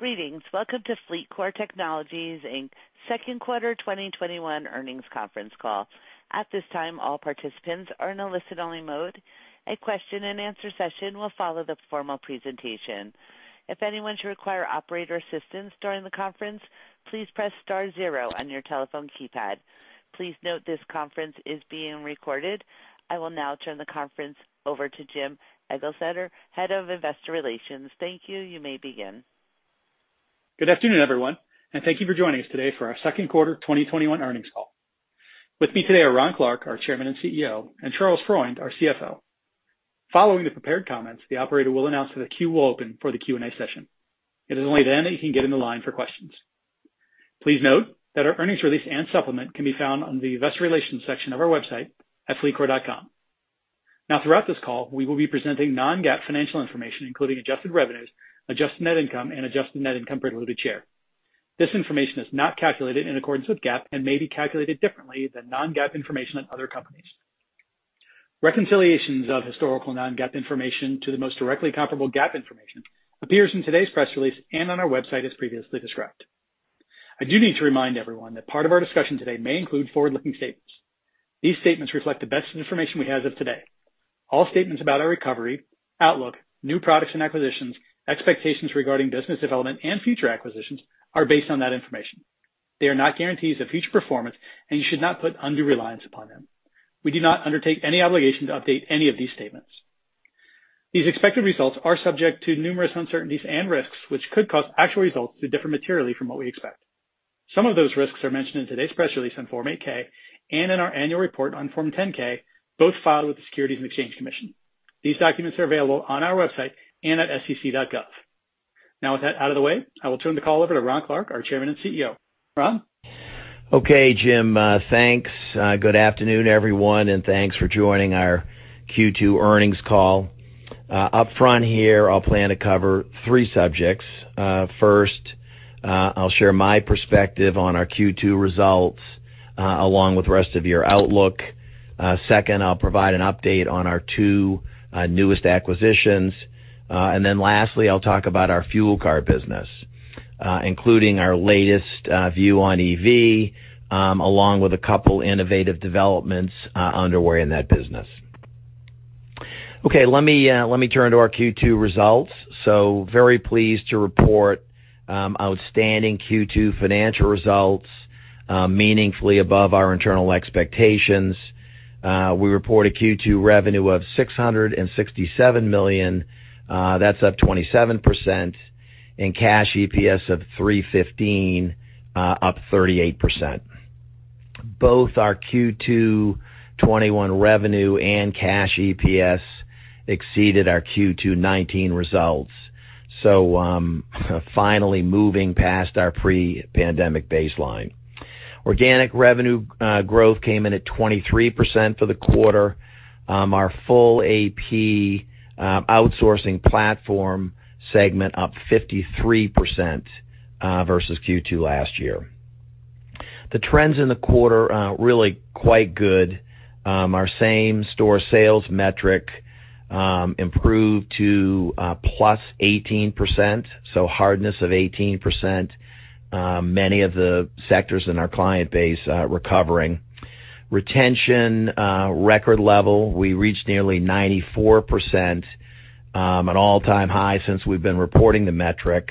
Greetings. Welcome to FleetCor Technologies, Inc.'s second quarter 2021 Earnings Conference Call. At this time, all participants are in listen-mode. A question-and-answer session will follow the formal presentation. If anyone requires operator assistance during the conference, please press star zero on your telephone keypad. Please note this conference is being recorded. I will now turn the conference over to Jim Eglseder, Head of Investor Relations. Thank you. You may begin. Good afternoon, everyone, and thank you for joining us today for our second quarter 2021 earnings call. With me today are Ron Clarke, our Chairman and CEO, and Charles Freund, our CFO. Following the prepared comments, the operator will announce that the queue will open for the Q&A session. It is only then that you can get in the line for questions. Please note that our earnings release and supplement can be found on the investor relations section of our website at fleetcor.com. Throughout this call, we will be presenting non-GAAP financial information, including adjusted revenues, adjusted net income, and adjusted net income per diluted share. This information is not calculated in accordance with GAAP and may be calculated differently than non-GAAP information at other companies. Reconciliations of historical non-GAAP information to the most directly comparable GAAP information appear in today's press release and on our website as previously described. I do need to remind everyone that part of our discussion today may include forward-looking statements. These statements reflect the best information we have as of today. All statements about our recovery, outlook, new products and acquisitions, expectations regarding business development, and future acquisitions are based on that information. They are not guarantees of future performance, and you should not put undue reliance upon them. We do not undertake any obligation to update any of these statements. These expected results are subject to numerous uncertainties and risks, which could cause actual results to differ materially from what we expect. Some of those risks are mentioned in today's press release on Form 8-K and in our annual report on Form 10-K, both filed with the Securities and Exchange Commission. These documents are available on our website and at sec.gov. With that out of the way, I will turn the call over to Ron Clarke, our Chairman and CEO. Ron? Okay, Jim. Thanks. Good afternoon, everyone. Thanks for joining our Q2 earnings call. Upfront here, I'll plan to cover three subjects. First, I'll share my perspective on our Q2 results along with rest-of-year outlook. Second, I'll provide an update on our two newest acquisitions. Lastly, I'll talk about our fuel card business, including our latest view one EV, along with a couple innovative developments underway in that business. Okay. Let me turn to our Q2 results. Very pleased to report outstanding Q2 financial results meaningfully above our internal expectations. We report a Q2 revenue of $667 million. That's up 27%, Cash EPS of $3.15 up 38%. Both our Q2 2021 revenue and Cash EPS exceeded our Q2 2019 results. Finally moving past our pre-pandemic baseline. Organic revenue growth came in at 23% for the quarter. Our full AP outsourcing platform segment up 53% versus Q2 last year. The trends in the quarter are really quite good. Our same-store sales metric improved to +18%, so hardness of 18%. Many of the sectors in our client base recovering. Retention record level. We reached nearly 94%, an all-time high since we've been reporting the metric.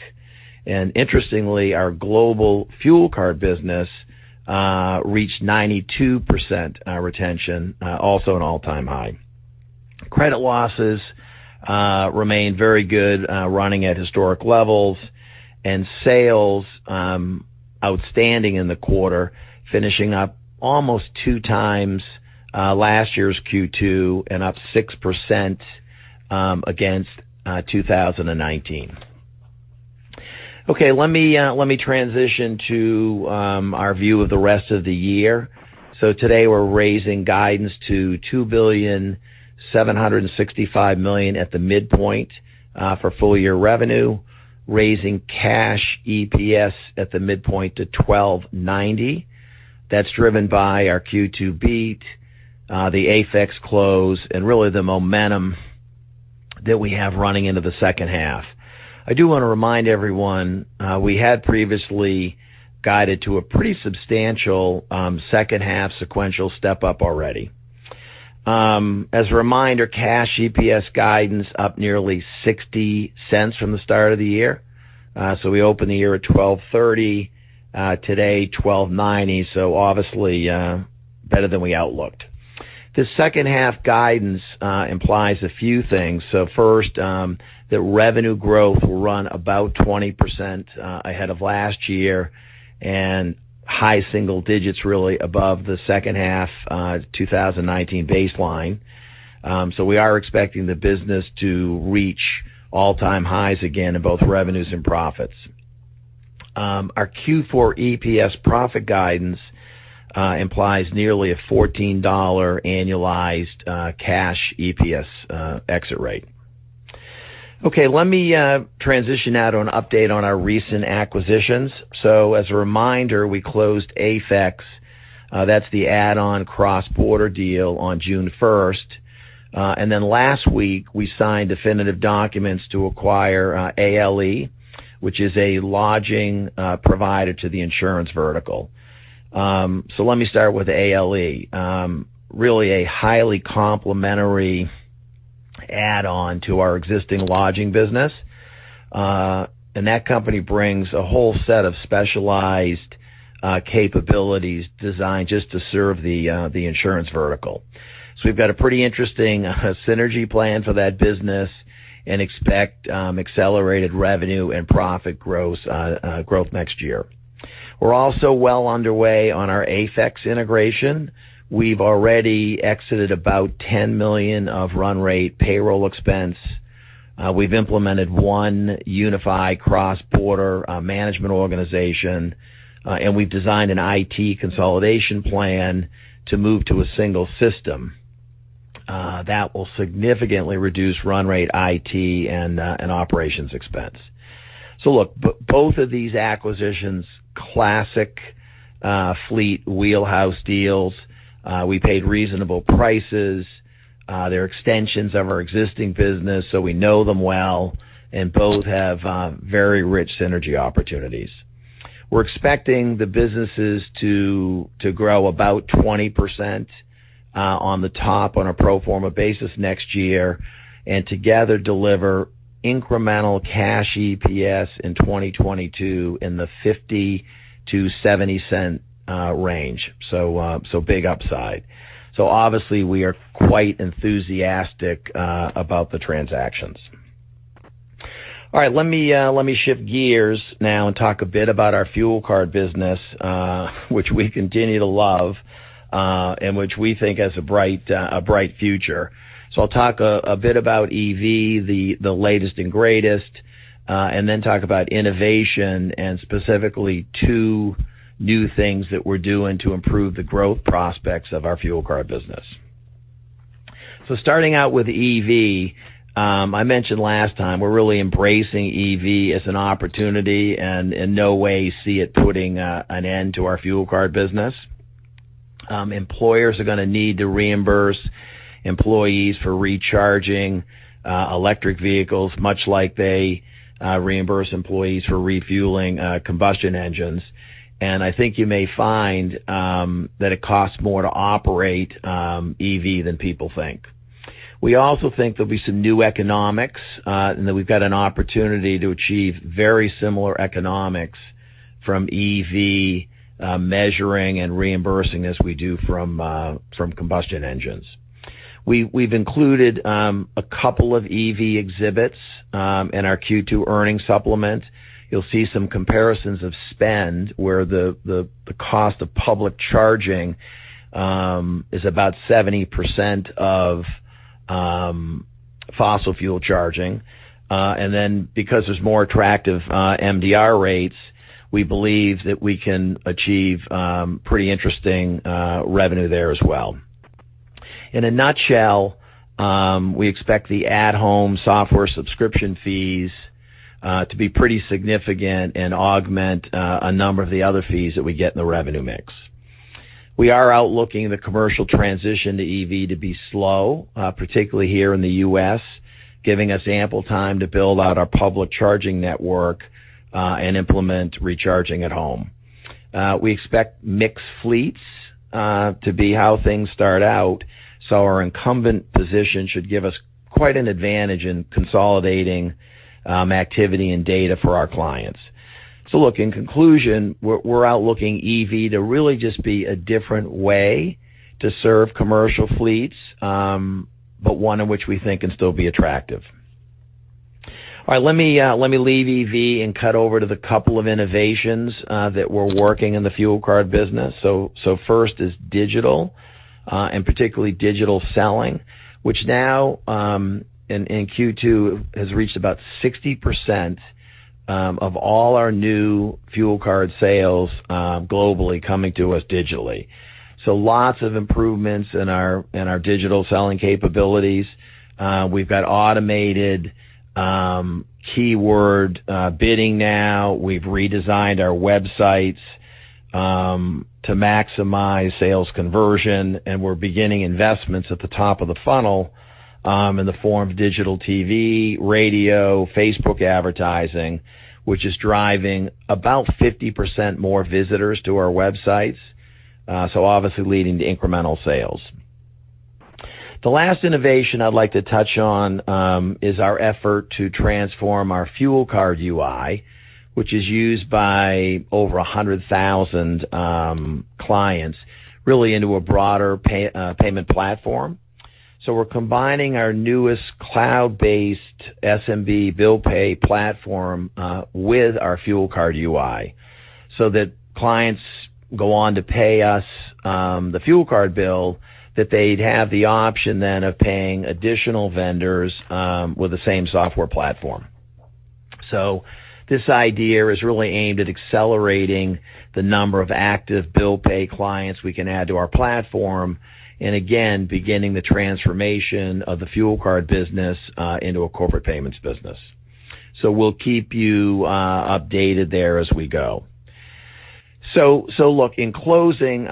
Interestingly, our global fuel card business reached 92% retention, also an all-time high. Credit losses remain very good, running at historic levels. Sales outstanding in the quarter, finishing up almost two times last year's Q2 and up 6% against 2019. Okay. Let me transition to our view of the rest of the year. Today we're raising guidance to $2,765,000 at the midpoint for full-year revenue, raising Cash EPS at the midpoint to $12.90. That's driven by our Q2 beat, the AFEX close, and really the momentum that we have running into the second half. I do want to remind everyone we had previously guided to a pretty substantial second half sequential step-up already. As a reminder, Cash EPS guidance up nearly $0.60 from the start of the year. We opened the year at $12.30, today $12.90. Obviously better than we outlooked. The second half guidance implies a few things. First, that revenue growth will run about 20% ahead of last year and high single digits really above the second half 2019 baseline. We are expecting the business to reach all-time highs again in both revenues and profits. Our Q4 EPS profit guidance implies nearly a $14 annualized Cash EPS exit rate. Okay, let me transition now to an update on our recent acquisitions. As a reminder, we closed AFEX, that's the add-on cross-border deal on June 1st. Then last week, we signed definitive documents to acquire ALE, which is a lodging provider to the insurance vertical. Let me start with ALE. Really a highly complementary add-on to our existing lodging business. That company brings a whole set of specialized capabilities designed just to serve the insurance vertical. We've got a pretty interesting synergy plan for that business and expect accelerated revenue and profit growth next year. We're also well underway on our AFEX integration. We've already exited about $10 million of run-rate payroll expense. We've implemented one unified cross-border management organization. We've designed an IT consolidation plan to move to a single system. That will significantly reduce run rate IT and operations expense. Look, both of these acquisitions, classic Fleet wheelhouse deals. We paid reasonable prices. They're extensions of our existing business, so we know them well, and both have very rich synergy opportunities. We're expecting the businesses to grow about 20% on the top on a pro forma basis next year, and together deliver incremental Cash EPS in 2022 in the $0.50-$0.70 range. Big upside. Obviously, we are quite enthusiastic about the transactions. All right. Let me shift gears now and talk a bit about our fuel card business, which we continue to love, and which we think has a bright future. I'll talk a bit about EV, the latest and greatest, and then talk about innovation and specifically two new things that we're doing to improve the growth prospects of our fuel card business. Starting out with EV, I mentioned last time, we're really embracing EV as an opportunity and in no way see it putting an end to our fuel card business. Employers are going to need to reimburse employees for recharging electric vehicles much like they reimburse employees for refueling combustion engines. I think you may find that it costs more to operate EV than people think. We also think there'll be some new economics, and that we've got an opportunity to achieve very similar economics from EV measuring and reimbursing as we do from combustion engines. We've included a couple of EV exhibits in our Q2 earnings supplement. You'll see some comparisons of spend where the cost of public charging is about 70% of fossil fuel charging. Because there's more attractive MDR rates, we believe that we can achieve pretty interesting revenue there as well. In a nutshell, we expect the at-home software subscription fees to be pretty significant and augment a number of the other fees that we get in the revenue mix. We are outlooking the commercial transition to EV to be slow, particularly here in the U.S., giving us ample time to build out our public charging network, and implement recharging at home. We expect mixed fleets to be how things start out; our incumbent position should give us quite an advantage in consolidating activity and data for our clients. Look, in conclusion, we're outlooking EV to really just be a different way to serve commercial fleets, but one in which we think can still be attractive. All right. Let me leave EV and cut over to the couple of innovations that we're working in the fuel card business. First is digital, and particularly digital selling, which now in Q2 has reached about 60% of all our new fuel card sales globally coming to us digitally. Lots of improvements in our digital selling capabilities. We've got automated keyword bidding now. We've redesigned our websites to maximize sales conversion, and we're beginning investments at the top of the funnel, in the form of digital TV, radio, Facebook advertising, which is driving about 50% more visitors to our websites. Obviously leading to incremental sales. The last innovation I'd like to touch on is our effort to transform our fuel card UI, which is used by over 100,000 clients, really into a broader payment platform. We're combining our newest cloud-based SMB bill pay platform with our fuel card UI so that clients go on to pay us the fuel card bill, that they'd have the option then of paying additional vendors with the same software platform. This idea is really aimed at accelerating the number of active bill pay clients we can add to our platform, and again, beginning the transformation of the fuel card business into a corporate payments business. We'll keep you updated there as we go. Look, in closing,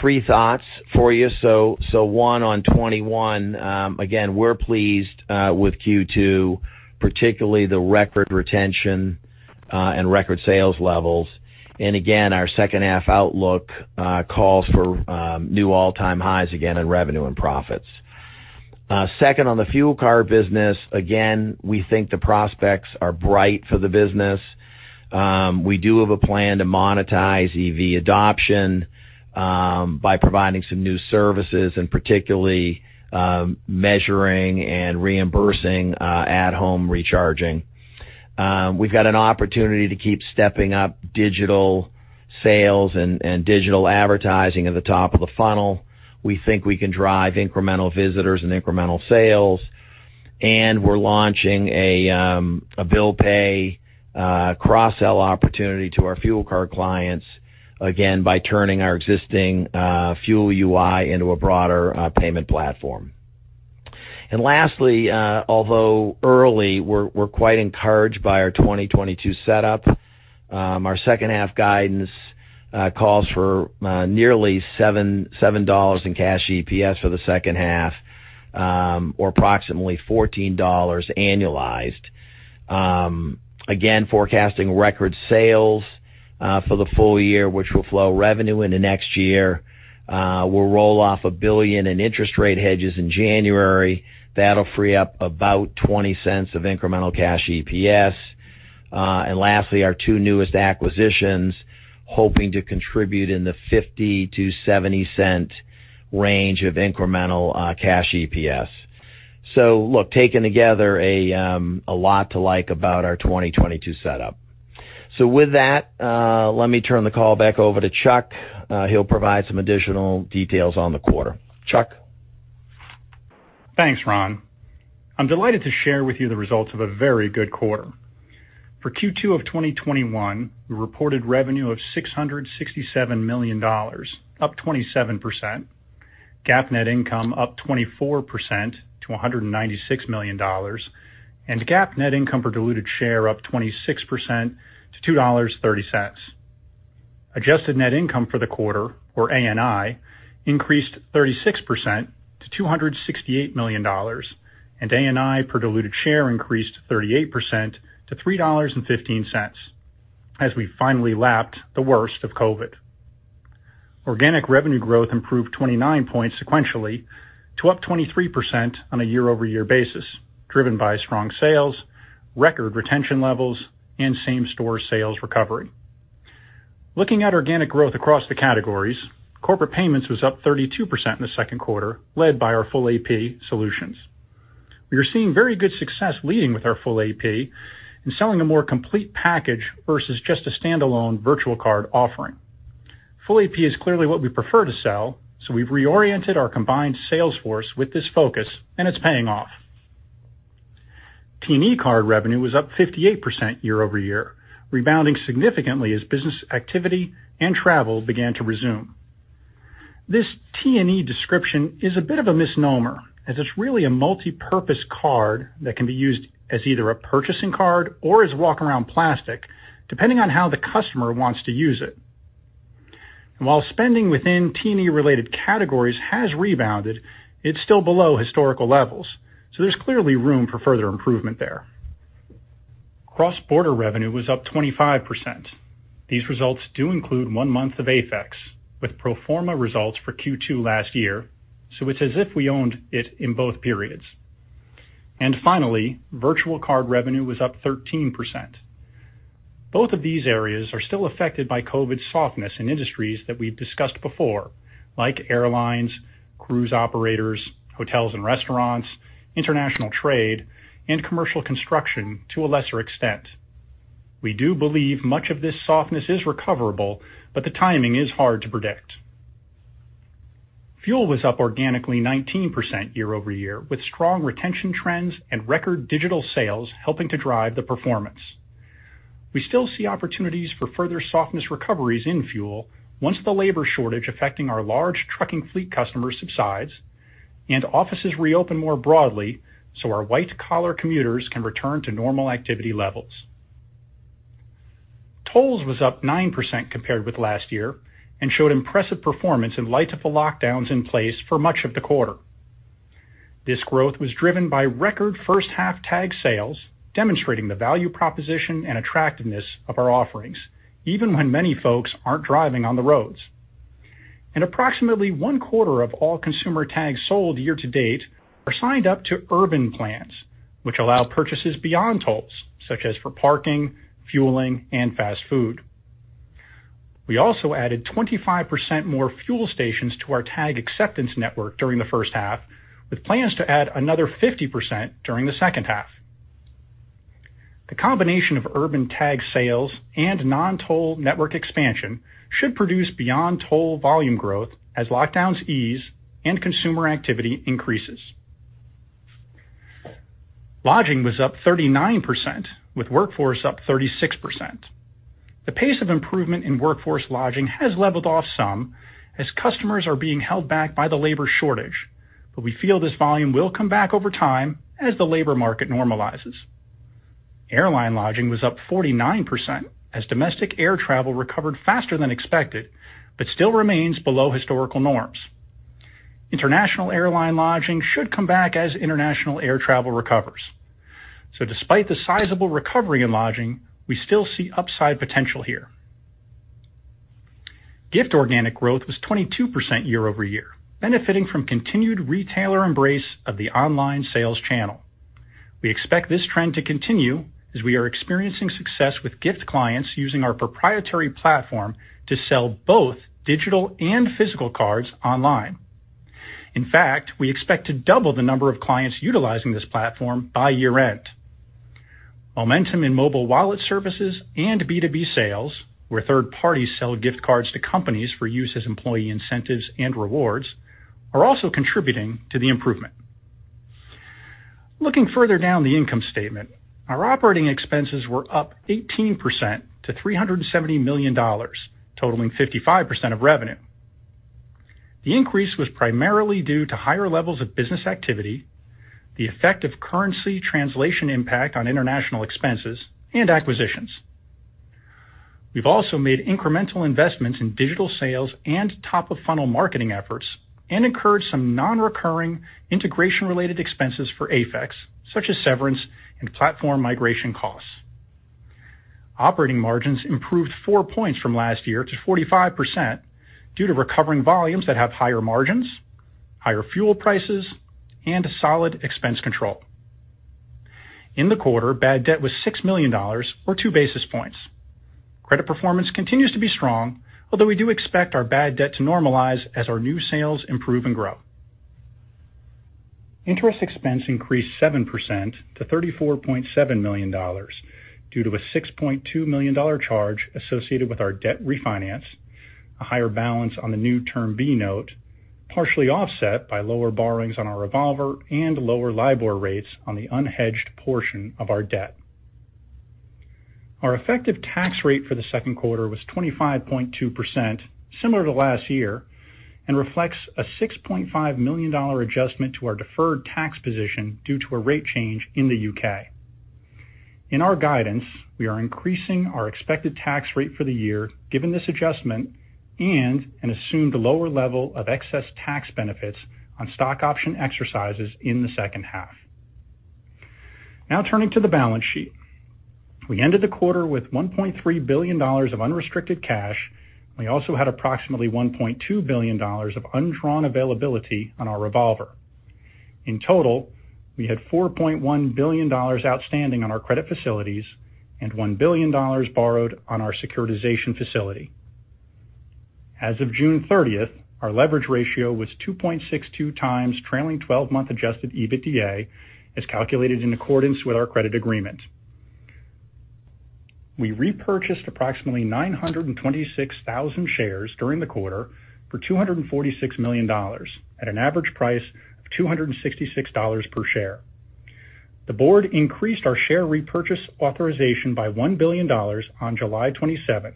three thoughts for you. One on 2021, again, we're pleased with Q2, particularly the record retention and record sales levels. Again, our second half outlook calls for new all-time highs again in revenue and profits. Second, on the fuel card business, again, we think the prospects are bright for the business. We do have a plan to monetize EV adoption by providing some new services, and particularly measuring and reimbursing at-home recharging. We've got an opportunity to keep stepping up digital sales and digital advertising at the top of the funnel. We think we can drive incremental visitors and incremental sales. We're launching a bill pay cross-sell opportunity to our fuel card clients, again, by turning our existing fuel UI into a broader payment platform. Lastly, although early, we're quite encouraged by our 2022 setup. Our second-half guidance calls for nearly $7 in Cash EPS for the second half, or approximately $14 annualized. Again, forecasting record sales for the full year, which will flow revenue into next year. We'll roll off $1 billion in interest rate hedges in January. That'll free up about $0.20 of incremental Cash EPS. Lastly, our two newest acquisitions hoping to contribute in the $0.50-$0.70 range of incremental Cash EPS. Look, taken together, a lot to like about our 2022 setup. With that, let me turn the call back over to Charles. He'll provide some additional details on the quarter. Charles? Thanks, Ron. I'm delighted to share with you the results of a very good quarter. For Q2 of 2021, we reported revenue of $667 million, up 27%, GAAP net income up 24% to $196 million, and GAAP net income per diluted share up 26% to $2.30. Adjusted net income for the quarter, or ANI, increased 36% to $268 million, and ANI per diluted share increased 38% to $3.15, as we finally lapped the worst of COVID. Organic revenue growth improved 29 points sequentially to up 23% on a year-over-year basis, driven by strong sales, record retention levels, and same-store sales recovery. Looking at organic growth across the categories, corporate payments was up 32% in the second quarter, led by our full AP solutions. We are seeing very good success leading with our full AP and selling a more complete package versus just a standalone virtual card offering. Full AP is clearly what we prefer to sell, so we've reoriented our combined sales force with this focus, and it's paying off. T&E card revenue was up 58% year-over-year, rebounding significantly as business activity and travel began to resume. This T&E description is a bit of a misnomer, as it's really a multipurpose card that can be used as either a purchasing card or as walk-around plastic, depending on how the customer wants to use it. While spending within T&E-related categories has rebounded, it's still below historical levels. There's clearly room for further improvement there. Cross-border revenue was up 25%. These results do include one month of AFEX with pro forma results for Q2 last year, so it's as if we owned it in both periods. Finally, virtual card revenue was up 13%. Both of these areas are still affected by COVID softness in industries that we've discussed before, like airlines, cruise operators, hotels and restaurants, international trade, and commercial construction to a lesser extent. We do believe much of this softness is recoverable, but the timing is hard to predict. Fuel was up organically 19% year-over-year, with strong retention trends and record digital sales helping to drive the performance. We still see opportunities for further softness recoveries in fuel once the labor shortage affecting our large trucking fleet customers subsides and offices reopen more broadly so our white-collar commuters can return to normal activity levels. Tolls was up 9% compared with last year and showed impressive performance in light of the lockdowns in place for much of the quarter. This growth was driven by record first-half tag sales, demonstrating the value proposition and attractiveness of our offerings, even when many folks aren't driving on the roads. Approximately one-quarter of all consumer tags sold year-to-date are signed up to urban plans, which allow purchases Beyond Tolls, such as for parking, fueling, and fast food. We also added 25% more fuel stations to our tag acceptance network during the first half, with plans to add another 50% during the second half. The combination of urban tag sales and non-toll network expansion should produce Beyond Tolls volume growth as lockdowns ease and consumer activity increases. Lodging was up 39%, with workforce up 36%. The pace of improvement in workforce lodging has leveled off some as customers are being held back by the labor shortage, we feel this volume will come back over time as the labor market normalizes. Airline lodging was up 49% as domestic air travel recovered faster than expected, still remains below historical norms. International airline lodging should come back as international air travel recovers. Despite the sizable recovery in lodging, we still see upside potential here. Gift organic growth was 22% year-over-year, benefiting from continued retailer embrace of the online sales channel. We expect this trend to continue as we are experiencing success with gift clients using our proprietary platform to sell both digital and physical cards online. In fact, we expect to double the number of clients utilizing this platform by year-end. Momentum in mobile wallet services and B2B sales, where third parties sell gift cards to companies for use as employee incentives and rewards, are also contributing to the improvement. Looking further down the income statement, our operating expenses were up 18% to $370 million, totaling 55% of revenue. The increase was primarily due to higher levels of business activity, the effect of currency translation impact on international expenses, and acquisitions. We've also made incremental investments in digital sales and top-of-funnel marketing efforts and incurred some non-recurring integration-related expenses for AFEX, such as severance and platform migration costs. Operating margins improved 4 points from last year to 45% due to recovering volumes that have higher margins, higher fuel prices, and solid expense control. In the quarter, bad debt was $6 million, or 2 basis points. Credit performance continues to be strong, although we do expect our bad debt to normalize as our new sales improve and grow. Interest expense increased 7% to $34.7 million due to a $6.2 million charge associated with our debt refinance, a higher balance on the new Term Loan B, partially offset by lower borrowings on our revolver and lower LIBOR rates on the unhedged portion of our debt. Our effective tax rate for the second quarter was 25.2%, similar to last year, and reflects a $6.5 million adjustment to our deferred tax position due to a rate change in the U.K. In our guidance, we are increasing our expected tax rate for the year, given this adjustment and an assumed lower level of excess tax benefits on stock option exercises in the second half. Now turning to the balance sheet. We ended the quarter with $1.3 billion of unrestricted cash. We also had approximately $1.2 billion of undrawn availability on our revolver. In total, we had $4.1 billion outstanding on our credit facilities and $1 billion borrowed on our securitization facility. As of June 30th, our leverage ratio was 2.62x trailing 12-month Adjusted EBITDA, as calculated in accordance with our credit agreement. We repurchased approximately 926,000 shares during the quarter for $246 million at an average price of $266 per share. The board increased our share repurchase authorization by $1 billion on July 27th,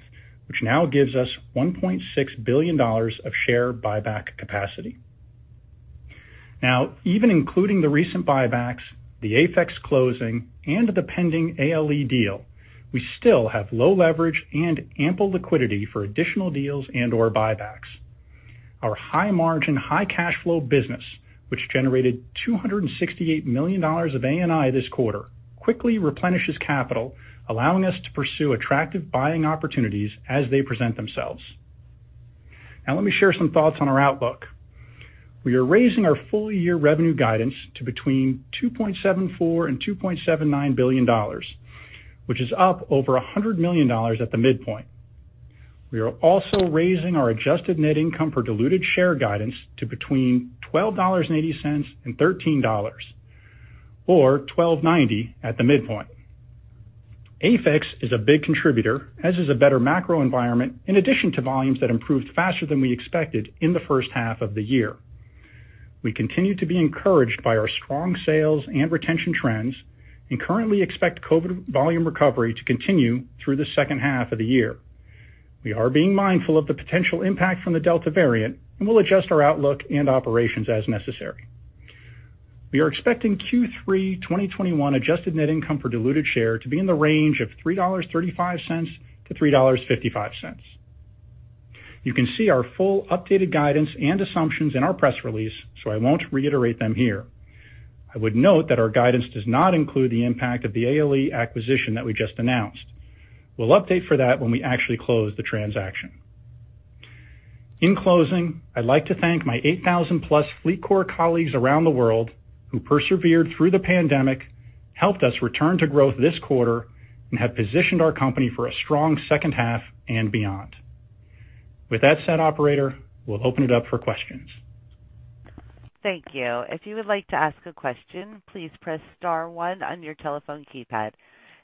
which now gives us $1.6 billion of share buyback capacity. Even including the recent buybacks, the AFEX closing, and the pending ALE deal, we still have low leverage and ample liquidity for additional deals and/or buybacks. Our high margin, high cash flow business, which generated $268 million of ANI this quarter, quickly replenishes capital, allowing us to pursue attractive buying opportunities as they present themselves. Let me share some thoughts on our outlook. We are raising our full-year revenue guidance to between $2.74 billion and $2.79 billion, which is up over $100 million at the midpoint. We are also raising our adjusted net income per diluted share guidance to between $12.80 and $13, or $12.90 at the midpoint. AFEX is a big contributor, as is a better macro environment, in addition to volumes that improved faster than we expected in the first half of the year. We continue to be encouraged by our strong sales and retention trends and currently expect COVID volume recovery to continue through the second half of the year. We are being mindful of the potential impact from the Delta variant, and we'll adjust our outlook and operations as necessary. We are expecting Q3 2021 adjusted net income per diluted share to be in the range of $3.35-$3.55. You can see our full updated guidance and assumptions in our press release, so I won't reiterate them here. I would note that our guidance does not include the impact of the ALE acquisition that we just announced. We'll update for that when we actually close the transaction. In closing, I'd like to thank my 8,000-plus FleetCor colleagues around the world who persevered through the pandemic, helped us return to growth this quarter, and have positioned our company for a strong second half and beyond. With that said, operator, we'll open it up for questions. Thank you. If you would like to ask a question, please press star one on your telephone keypad.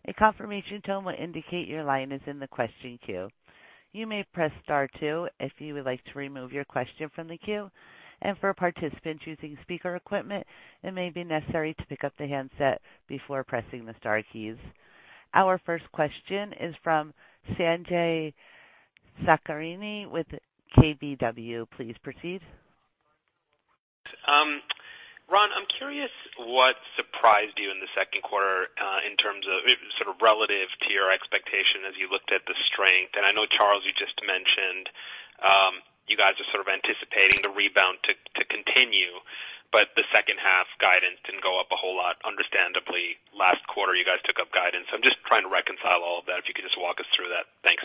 A confirmation tone will indicate your line is in the question queue. You may press star two if you would like to remove your question from the queue. For a participant using speaker equipment, it may be necessary to pick up the handset before pressing the star keys. Our first question is from Sanjay Sakhrani with KBW. Please proceed. Ron, I'm curious what surprised you in the second quarter in terms of relative to your expectations as you looked at the strength. I know, Charles, you just mentioned, you guys are sort of anticipating the rebound to continue, but the second half guidance didn't go up a whole lot, understandably. Last quarter, you guys took up guidance. I'm just trying to reconcile all of that, if you could just walk us through that. Thanks.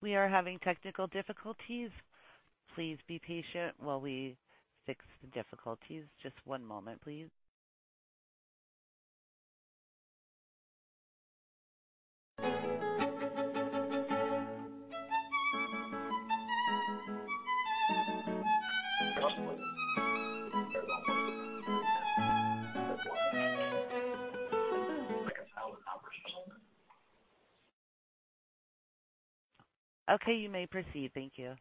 We are having technical difficulties. Please be patient while we fix the difficulties. Just one moment, please. Okay, you may proceed. Thank you.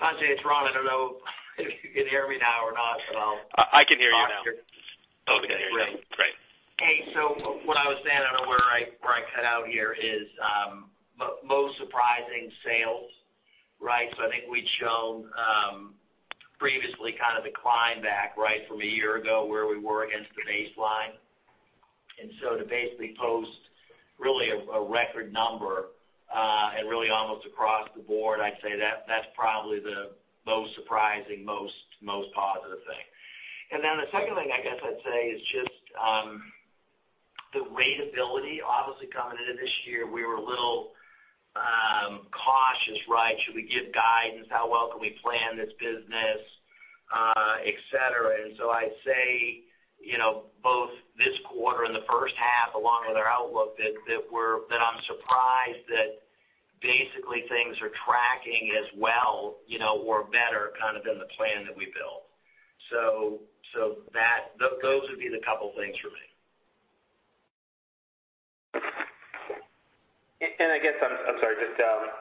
Sanjay, it's Ron. I don't know if you can hear me now or not. I can hear you now. Okay, great. Great. What I was saying, I don't know where I cut out here, is most surprising sales. I think we'd shown previously kind of a climb back, right from a year ago where we were against the baseline. To basically post really a record number, and really almost across the board, I'd say that's probably the most surprising, most positive thing. The second thing I guess I'd say is just the ratability. Obviously, coming into this year, we were a little cautious, right? Should we give guidance? How well can we plan this business? Et cetera. I'd say, both this quarter and the first half along with our outlook, that I'm surprised that basically things are tracking as well, or better kind of than the plan that we built. Those would be the couple things for me. I guess, I'm sorry, just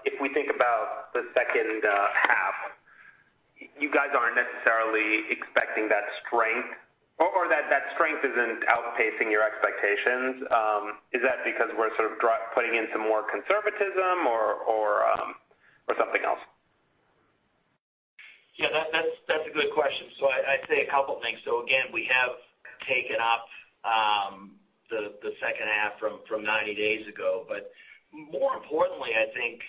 if we think about the second half, you guys aren't necessarily expecting that strength or that strength isn't outpacing your expectations. Is that because we're sort of putting in some more conservatism or something else? Yeah, that's a good question. I'd say two things. Again, we have taken up the second half from 90 days ago. More importantly, I think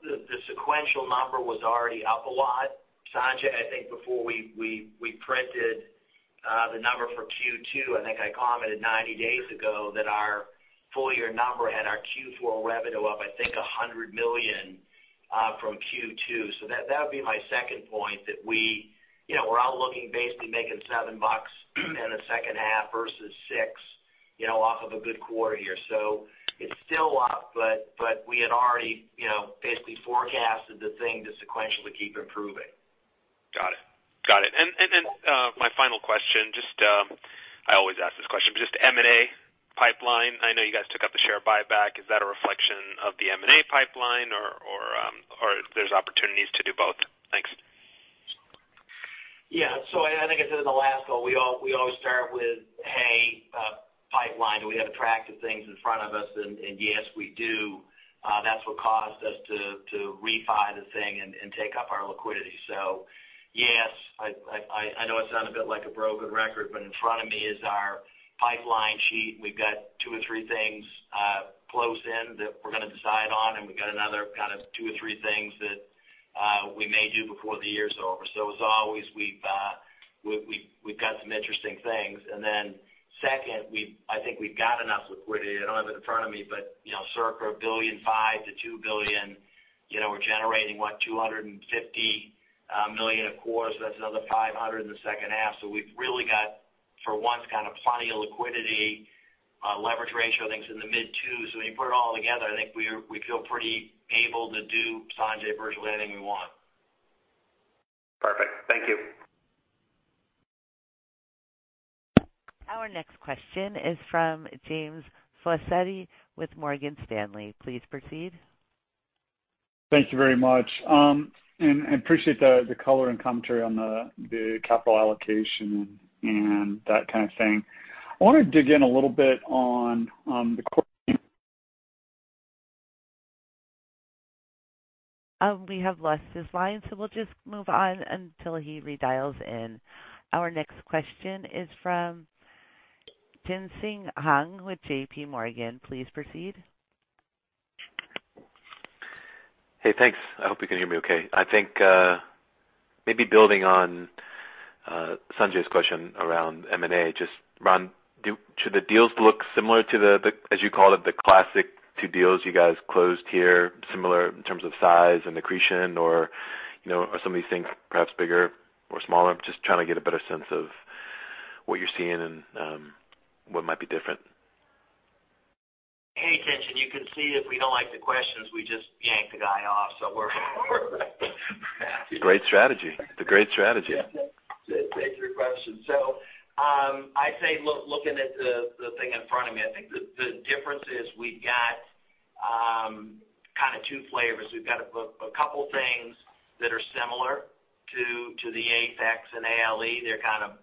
the sequential number was already up a lot. Sanjay, I think before we printed the number for Q2, I think I commented 90 days ago that our full-year number had our Q4 revenue up, I think, $100 million from Q2. That would be my second point that we're out looking basically making seven bucks in the second half versus six, off of a good quarter here. It's still up, but we had already basically forecasted the thing to sequentially keep improving. Got it. My final question, I always ask this question, but just M&A pipeline. I know you guys took up the share buyback. Is that a reflection of the M&A pipeline, or there's opportunities to do both? Thanks. Yeah. I think I said in the last call, we always start with a pipeline. Do we have attractive things in front of us? Yes, we do. That's what caused us to refi the thing and take up our liquidity. Yes, I know it sound a bit like a broken record, but in front of me is our pipeline sheet, and we've got two or three things close in that we're going to decide on, and we've got another kind of two or three things that we may do before the year is over. As always, we've got some interesting things. Second, I think we've got enough liquidity. I don't have it in front of me, but circa $1.5 billion-$2 billion. We're generating, what, $250 million a quarter, so that's another $500 million in the second half. We've really got, for once, kind of plenty of liquidity. Leverage ratio, I think is in the mid 2s. When you put it all together, I think we feel pretty able to do, Sanjay, virtually anything we want. Perfect. Thank you. Our next question is from James Faucette with Morgan Stanley. Please proceed. Thank you very much. Appreciate the color and commentary on the capital allocation and that kind of thing. I want to dig in a little bit on the. We have lost his line, so we'll just move on until he redials in. Our next question is from Tien-Tsin Huang with JPMorgan. Please proceed. Hey, thanks. I hope you can hear me okay. I think, maybe building on Sanjay's question around M&A, just Ron, should the deals look similar to the, as you call it, the classic two deals you guys closed here, similar in terms of size and accretion or are some of these things perhaps bigger or smaller? I'm just trying to get a better sense of what you're seeing and what might be different. Hey, Tien-Tsin. You can see if we don't like the questions, we just yank the guy off. It's a great strategy. To answer your question. I say, looking at the thing in front of me, I think the difference is we've got two flavors. We've got a couple things that are similar to the AFEX and ALE. They're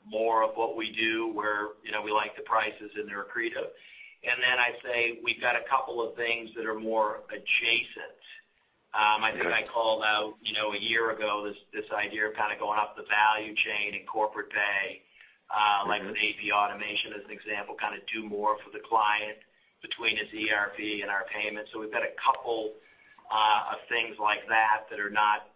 more of what we do, where we like the prices, and they're accretive. I'd say we've got a couple of things that are more adjacent. I think I called out one year ago, this idea of going up the value chain in Corpay, like with AP automation as an example, do more for the client between his ERP and our payments. We've got a couple of things like that that are not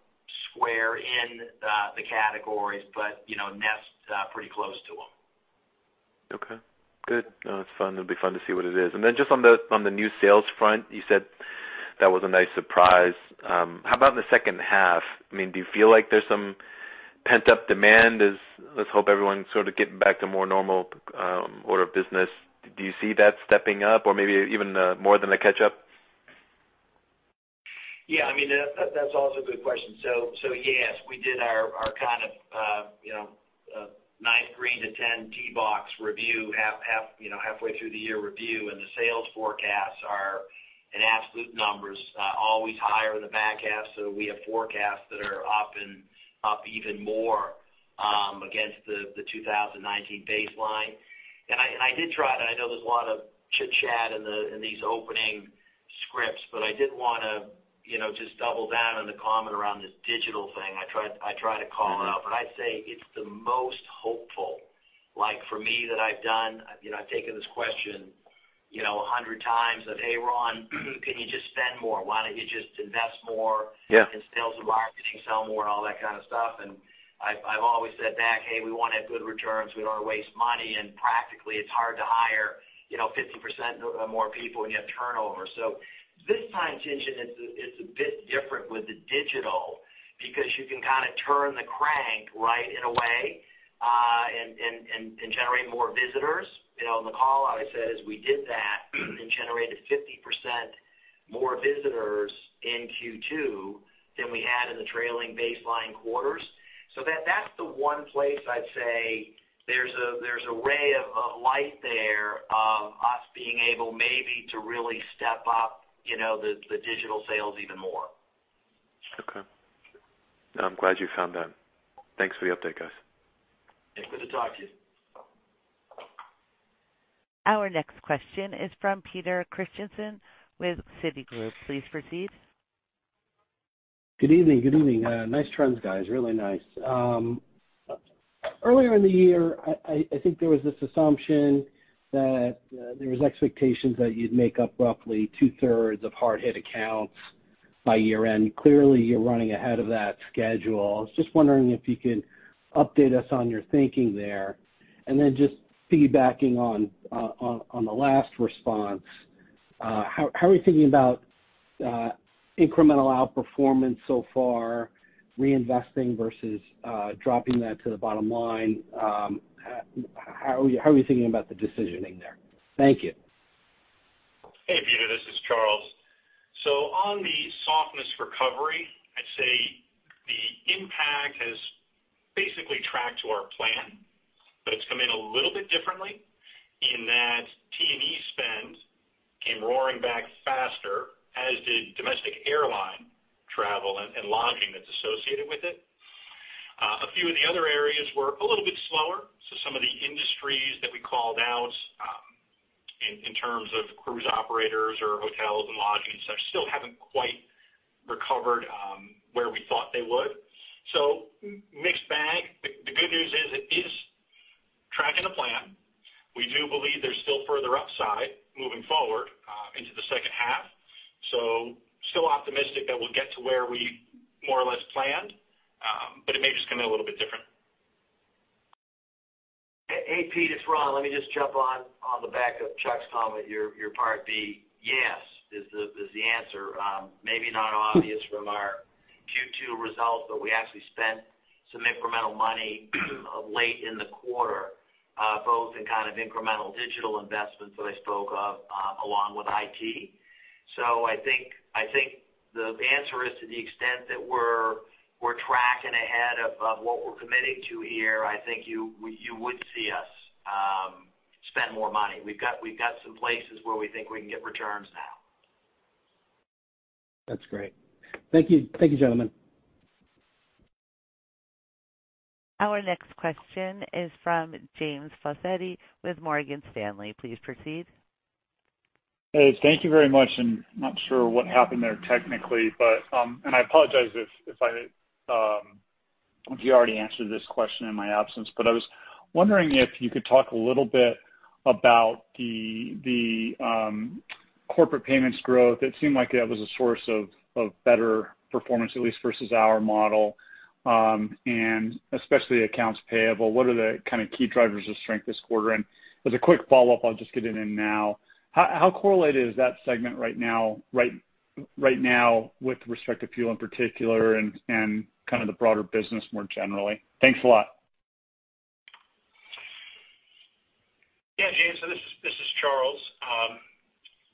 square in the categories, but nest pretty close to them. Okay, good. No, it's fun. It'll be fun to see what it is. Just on the new sales front, you said that was a nice surprise. How about in the second half? Do you feel like there's some pent-up demand? Let's hope everyone's sort of getting back to more normal order business. Do you see that stepping up or maybe even more than a catch-up? That is also a good question. Yes, we did our [nine-to-three to 10 T box] review, halfway through the year review, the sales forecasts are in absolute numbers always higher in the back half. We have forecasts that are up even more against the 2019 baseline. I did try it, I know there is a lot of chitchat in these opening scripts, I did want to just double down on the comment around this digital thing. I tried to call it out, I would say it is the most hopeful for me that I have done. I have taken this question 100 times of, "Hey, Ron, can you just spend more? Why don't you just invest more. Yeah in sales and marketing, sell more," and all that kind of stuff. I've always said back, "Hey, we want to have good returns. We don't want to waste money, and practically it's hard to hire 50% or more people when you have turnover." This time, Tien-Tsin, it's a bit different with the digital because you can kind of turn the crank right in a way and generate more visitors. On the call, I said as we did that and generated 50% more visitors in Q2 than we had in the trailing baseline quarters. That's the one place I'd say there's a ray of light there of us being able maybe to really step up the digital sales even more. Okay. I'm glad you found that. Thanks for the update, guys. Thank you. Good to talk to you. Our next question is from Peter Christiansen with Citigroup. Please proceed. Good evening. Nice trends, guys. Really nice. Earlier in the year, I think there was this assumption that there was expectations that you'd make up roughly two-thirds of hard-hit accounts by year-end. Clearly, you're running ahead of that schedule. I was just wondering if you could update us on your thinking there, and then, just feedbacking on the last response, how are you thinking about incremental outperformance so far, reinvesting versus dropping that to the bottom line? How are you thinking about the decisioning there? Thank you. Hey, Peter, this is Charles. On the softness recovery, I'd say the impact has basically tracked to our plan, but it's come in a little bit differently in that T&E spend came roaring back faster, as did domestic airline travel and lodging that's associated with it. A few of the other areas were a little bit slower. Some of the industries that we called out in terms of cruise operators or hotels and lodging and such, still haven't quite recovered where we thought they would. Mixed bag. The good news is it is tracking the plan. We do believe there's still further upside moving forward into the second half, so still optimistic that we'll get to where we more or less planned, but it may just come in a little bit different. Hey, Pete, it's Ron. Let me just jump on the back of Charles's comment, your part B. Yes is the answer. Maybe not obvious from our Q2 results, but we actually spent some incremental money late in the quarter both in incremental digital investments that I spoke of along with IT. I think the answer is to the extent that we're tracking ahead of what we're committing to here, I think you would see us spend more money. We've got some places where we think we can get returns now. That's great. Thank you, gentlemen. Our next question is from James Faucette with Morgan Stanley. Please proceed. Thank you very much. Not sure what happened there technically. I apologize if you already answered this question in my absence, but I was wondering if you could talk a little bit about the corporate payments growth. It seemed like that was a source of better performance, at least versus our model, especially accounts payable. What are the kind of key drivers of strength this quarter? As a quick follow-up, I'll just get it in now. How correlated is that segment right now with respect to fuel in particular and kind of the broader business more generally? Thanks a lot. Charles,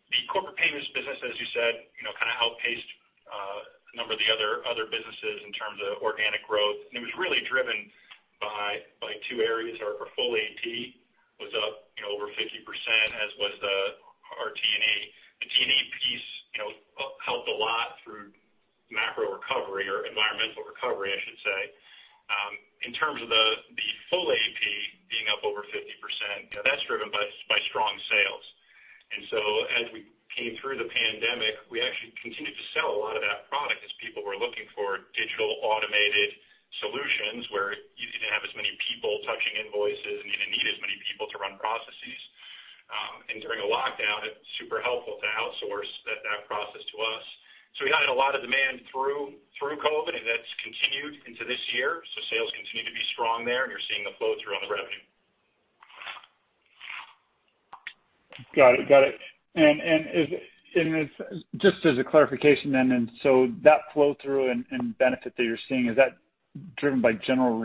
the corporate payments business, as you said, kind of outpaced a number of the other businesses in terms of organic growth. It was really driven by two areas. Our full AP was up over 50%, as was our T&E. The T&E piece helped a lot through macro recovery or environmental recovery, I should say. In terms of the full AP being up over 50%, that's driven by strong sales. As we came through the pandemic, we actually continued to sell a lot of that product as people were looking for digital automated solutions where you didn't have as many people touching invoices, and you didn't need as many people to run processes. During a lockdown, it's super helpful to outsource that process to us. We had a lot of demand through COVID, and that's continued into this year. Sales continue to be strong there, and you're seeing the flow-through on the revenue. Got it. Just as a clarification, then, so that flow-through and benefit that you're seeing, is that driven by general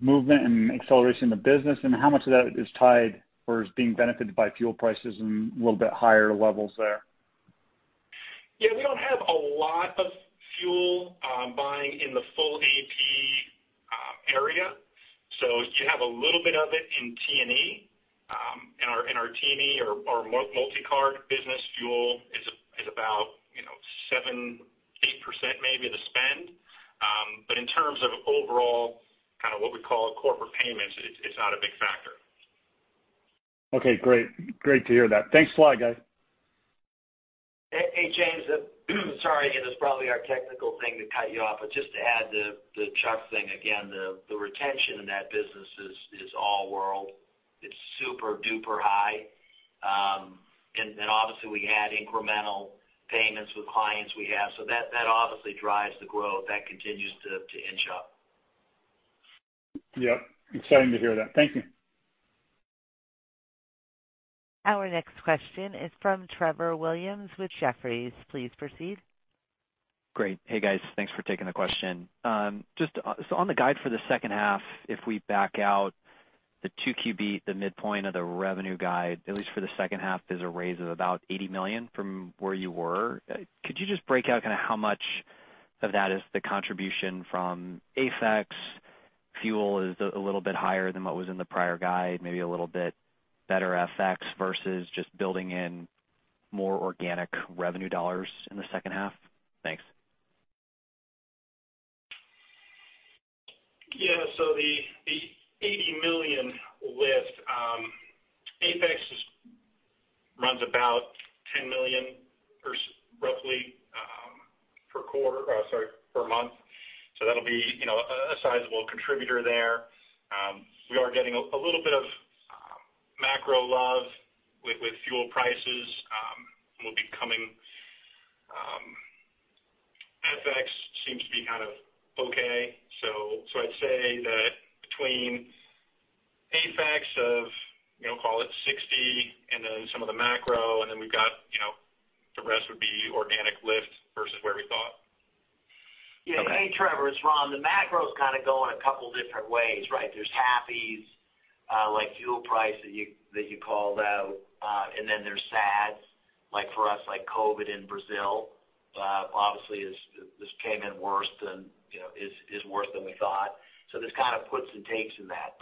movement and acceleration of the business, and how much of that is tied or is being benefited by fuel prices and a little bit higher levels there? Yeah. We don't have a lot of fuel buying in the full AP area. You have a little bit of it in T&E. In our T&E, our multi-card business fuel is about 7%, 8% maybe of the spend. In terms of overall what we call corporate payments; it's not a big factor. Okay, great. Great to hear that. Thanks a lot, guys. Hey, James. Sorry, it's probably our technical thing to cut you off, but just to add to the Charles thing, again, the retention in that business is all world. It's super-duper high. Obviously, we add incremental payments with clients we have. That obviously drives the growth that continues to inch up. Yep. Exciting to hear that. Thank you. Our next question is from Trevor Williams with Jefferies. Please proceed. Great. Hey, guys. Thanks for taking the question. On the guide for the second half, if we back out the Q2, the midpoint of the revenue guide, at least for the second half, there's a raise of about $80 million from where you were. Could you just break out how much of that is the contribution from FX? Fuel is a little bit higher than what was in the prior guide, maybe a little bit better FX versus just building in more organic revenue dollars in the second half? Thanks. Yeah. The $80 million lift, FX runs about $10 million roughly per month. That'll be a sizable contributor there. We are getting a little bit of macro love, with fuel prices will be coming. FX seems to be kind of okay. I'd say that between FX of, call it $60 million, and then some of the macro, and then the rest would be organic lift versus where we thought. Yeah. Hey, Trevor, it's Ron. The macro's kind of going a couple different ways, right? There's happies, like fuel price that you called out, and then there's sads, like for us, like COVID in Brazil obviously is worse than we thought. There's kind of puts and take in that.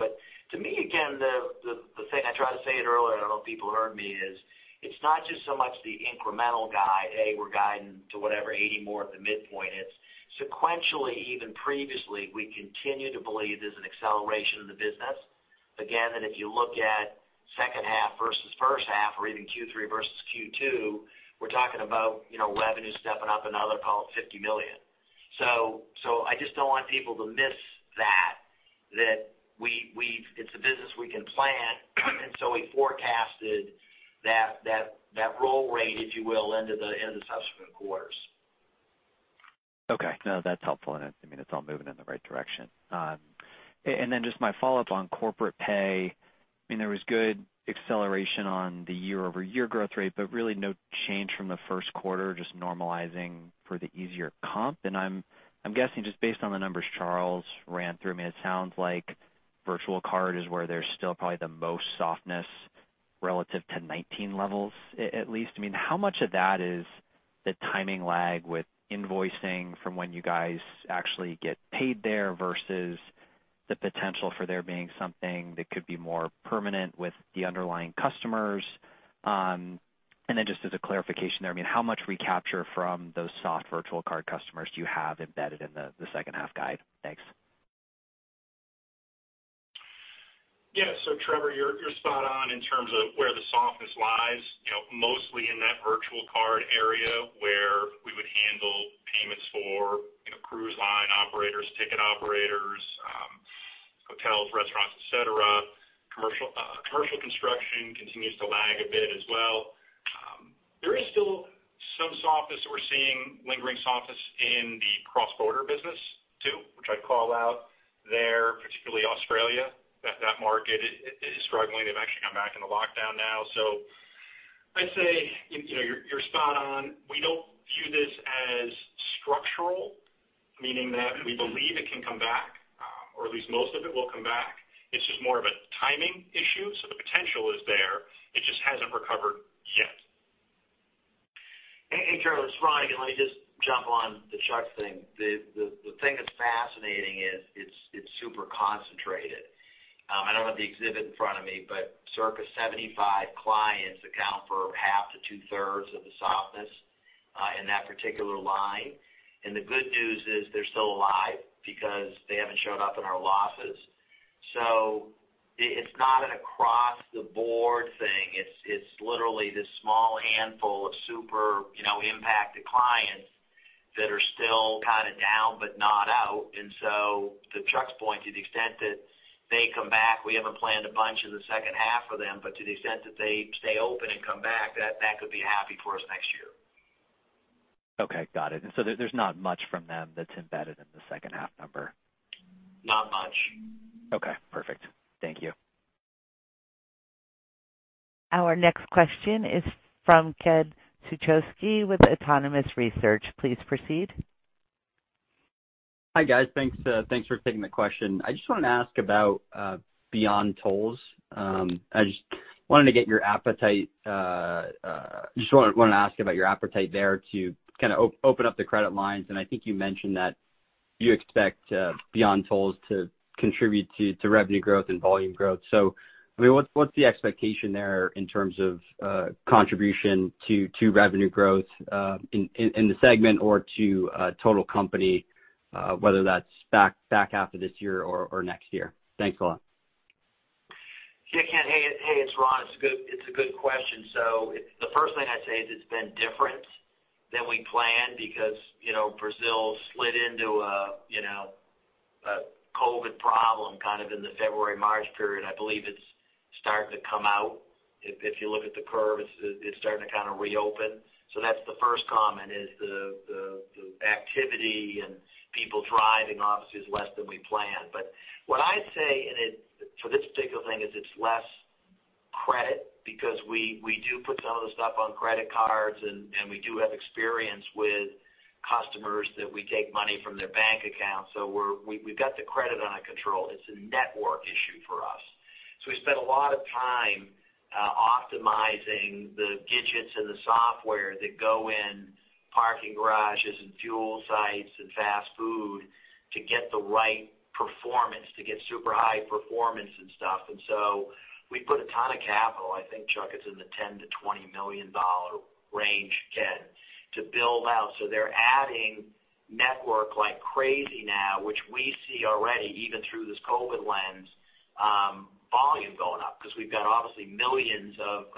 To me, again, the thing I tried to say it earlier, I don't know if people heard me, is it's not just so much the incremental guide, hey, we're guiding to whatever, $80 more at the midpoint. It's sequentially, even previously, we continue to believe there's an acceleration in the business. Again, that if you look at second half versus first half or even Q3 versus Q2, we're talking about revenue stepping up another, call it $50 million. I just don't want people to miss that it's a business we can plan. We forecasted that roll rate, if you will, into the subsequent quarters. Okay. No, that's helpful. It's all moving in the right direction. Just my follow-up on Corpay, there was good acceleration on the year-over-year growth rate, really no change from the first quarter, just normalizing for the easier comp. I'm guessing, just based on the numbers Charles ran through, it sounds like virtual card is where there's still probably the most softness relative to 2019 levels, at least. How much of that is the timing lag with invoicing from when you guys actually get paid there versus the potential for there being something that could be more permanent with the underlying customers? Just as a clarification there, how much recapture from those soft virtual card customers do you have embedded in the second half guide? Thanks. Yeah. Trevor, you're spot on in terms of where the softness lies. Mostly in that virtual card area where we would handle payments for cruise line operators, ticket operators, hotels, restaurants, et cetera. Commercial construction continues to lag a bit as well. There is still some softness that we're seeing, lingering softness in the cross-border business, too, which I'd call out there, particularly Australia. That market is struggling. They've actually gone back into lockdown now. I'd say you're spot on. We don't view this as structural, meaning that we believe it can come back, or at least most of it will come back. It's just more of a timing issue. The potential is there, it just hasn't recovered yet. Hey, Charlie, it's Ron again. Let me just jump on the Charles thing. The thing that's fascinating is it's super concentrated. I don't have the exhibit in front of me, but circa 75 clients account for half to two-thirds of the softness in that particular line. The good news is they're still alive because they haven't shown up in our losses. It's not an across-the-board thing. It's literally this small handful of super impacted clients that are still kind of down but not out. To Charles's point, to the extent that they come back, we haven't planned a bunch in the second half for them, but to the extent that they stay open and come back, that could be happy for us next year. Okay, got it. There's not much from them that's embedded in the second half number. Not much. Okay, perfect. Thank you. Our next question is from Ken Suchoski with Autonomous Research. Please proceed. Hi, guys. Thanks for taking the question. I just wanted to ask about Beyond Tolls. I just wanted to ask about your appetite there to kind of open up the credit lines. I think you mentioned that you expect Beyond Tolls to contribute to revenue growth and volume growth. I mean, what's the expectation there in terms of contribution to revenue growth in the segment or to total company, whether that's back half of this year or next year? Thanks a lot. Ken. Hey, it's Ron. It's a good question. The first thing I'd say is it's been different than we planned because Brazil slid into a COVID problem kind of in the February, March period. I believe it's starting to come out. If you look at the curve, it's starting to kind of reopen. That's the first comment is the activity, and people driving obviously is less than we planned. What I'd say, and for this particular thing, is it's less credit because we do put some of the stuff on credit cards, and we do have experience with customers that we take money from their bank account. We've got the credit under control. It's a network issue for us. We spent a lot of time optimizing the widgets and the software that go in parking garages and fuel sites and fast food to get the right performance, to get super high performance and stuff. We put a ton of capital, I think, Charles, it's in the $10 million-$20 million range, Ken, to build out. They're adding network like crazy now, which we see already even through this COVID lens, volume going up because we've got obviously millions of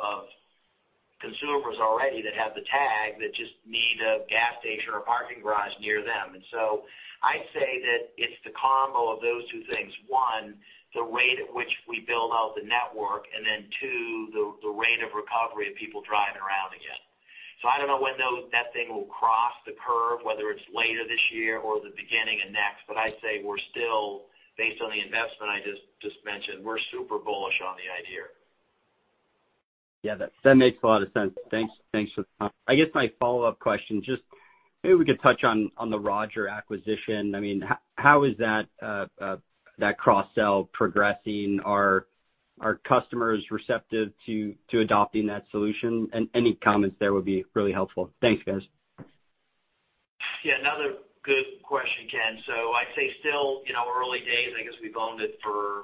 consumers already that have the tag that just need a gas station or a parking garage near them. I'd say that it's the combo of those two things. One, the rate at which we build out the network, and then two, the rate of recovery of people driving around again. I don't know when that thing will cross the curve, whether it's later this year or the beginning of next. I'd say we're still based on the investment I just mentioned; we're super bullish on the idea. Yeah, that makes a lot of sense. Thanks for the time. I guess my follow-up question, just maybe we could touch on the Roger acquisition. How is that cross-sell progressing? Are customers receptive to adopting that solution? Any comments there would be really helpful. Thanks, guys. Yeah, another good question, Ken. I'd say still early days, I guess we've owned it for,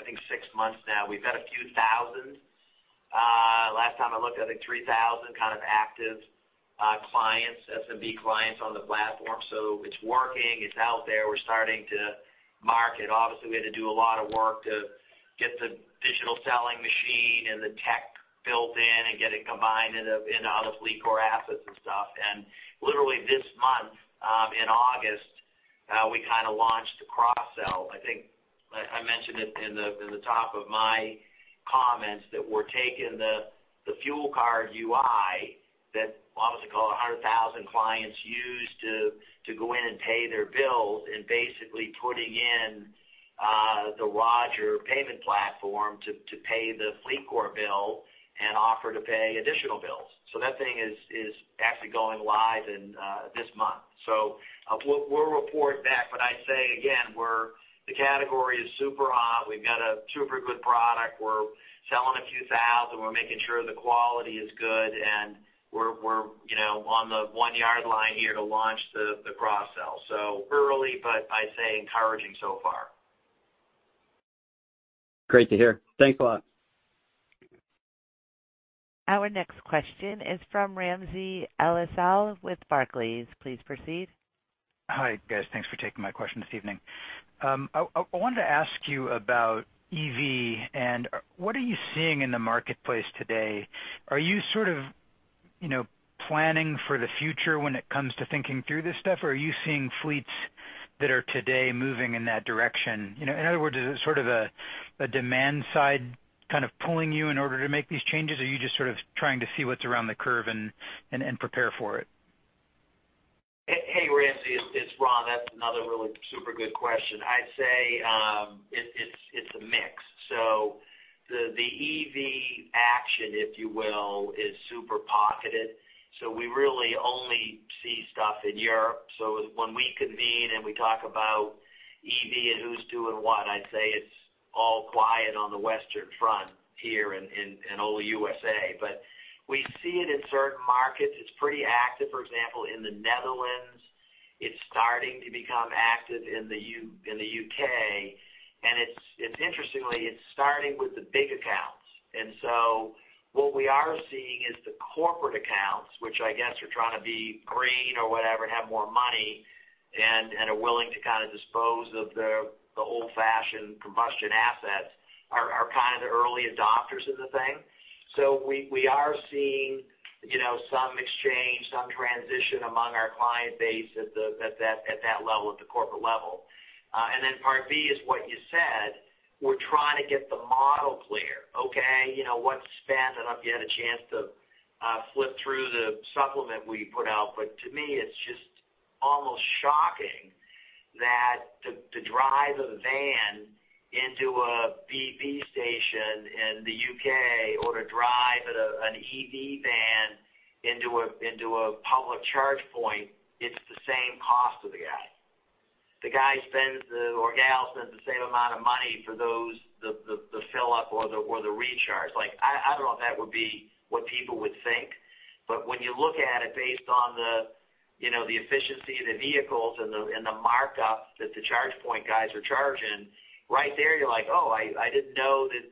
I think, six months now. We've got a few thousand. Last time I looked, I think 3,000 kind of active clients, SMB clients on the platform. It's working. It's out there. We're starting to market. Obviously, we had to do a lot of work to get the digital selling machine and the tech built in and get it combined into other FleetCor assets and stuff. Literally this month, in August, we kind of launched the cross-sell. I think I mentioned it in the top of my comments that we're taking the fuel card UI that, what was it called, 100,000 clients use to go in and pay their bills, and basically putting in the Roger payment platform to pay the FleetCor bill and offer to pay additional bills. That thing is actually going live this month. We'll report back, but I'd say again, the category is super hot. We've got a super good product. We're selling a few thousand. We're making sure the quality is good, and we're on the one-yard line here to launch the cross-sell. Early, but I'd say encouraging so far. Great to hear. Thanks a lot. Our next question is from Ramsey El-Assal with Barclays. Please proceed. Hi, guys. Thanks for taking my question this evening. I wanted to ask you about EV and what are you seeing in the marketplace today? Are you sort of planning for the future when it comes to thinking through this stuff, or are you seeing fleets that are today moving in that direction? In other words, is it sort of a demand side kind of pulling you in order to make these changes, or are you just sort of trying to see what's around the curve and prepare for it? Hey, Ramsey, it's Ron. That's another really super good question. I'd say it's a mix. The EV action, if you will, is super pocketed. We really only see stuff in Europe. When we convene, and we talk about EV and who's doing what, I'd say it's all quiet on the Western Front here in old USA. We see it in certain markets. It's pretty active, for example, in the Netherlands. It's starting to become active in the U.K., and interestingly, it's starting with the big accounts. What we are seeing is the corporate accounts, which I guess are trying to be green or whatever, have more money, and are willing to dispose of the old-fashioned combustion assets, are kind of the early adopters of the thing. We are seeing some exchange, some transition among our client base at that level, at the corporate level. Part B is what you said, we're trying to get the model clear. What's spent? I don't know if you had a chance to flip through the supplement we put out, but to me, it's just almost shocking that to drive a van into a BP station in the U.K. or to drive an EV van into a public charge point, it's the same cost to the guy. The guy spends or gal spends the same amount of money for those, the fill-up or the recharge. I don't know if that would be what people would think, but when you look at it based on the efficiency of the vehicles and the markups that the charge point guys are charging, right there you're like, "Oh, I didn't know that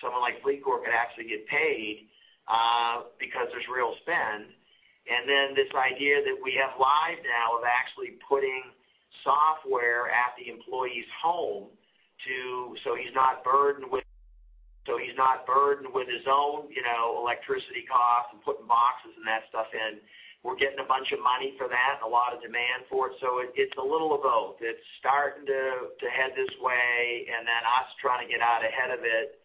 someone like FleetCor could actually get paid because there's real spend." This idea that we have live now of actually putting software at the employee's home, so he's not burdened with his own electricity costs and putting boxes and that stuff in. We're getting a bunch of money for that and a lot of demand for it. It's a little of both. It's starting to head this way, and then us trying to get out ahead of it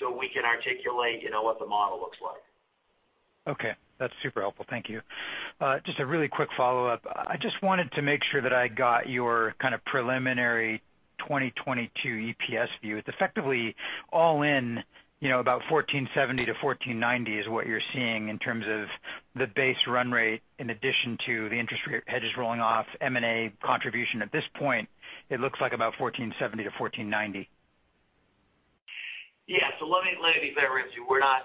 so we can articulate what the model looks like. Okay. That's super helpful. Thank you. Just a really quick follow-up. I just wanted to make sure that I got your kind of preliminary 2022 EPS view. It's effectively all in about $14.70-$14.90 is what you're seeing in terms of the base run rate in addition to the interest rate hedges rolling off, M&A contribution. At this point, it looks like about $14.70-$14.90. Yeah. Let me be fair, Ramsey, we're not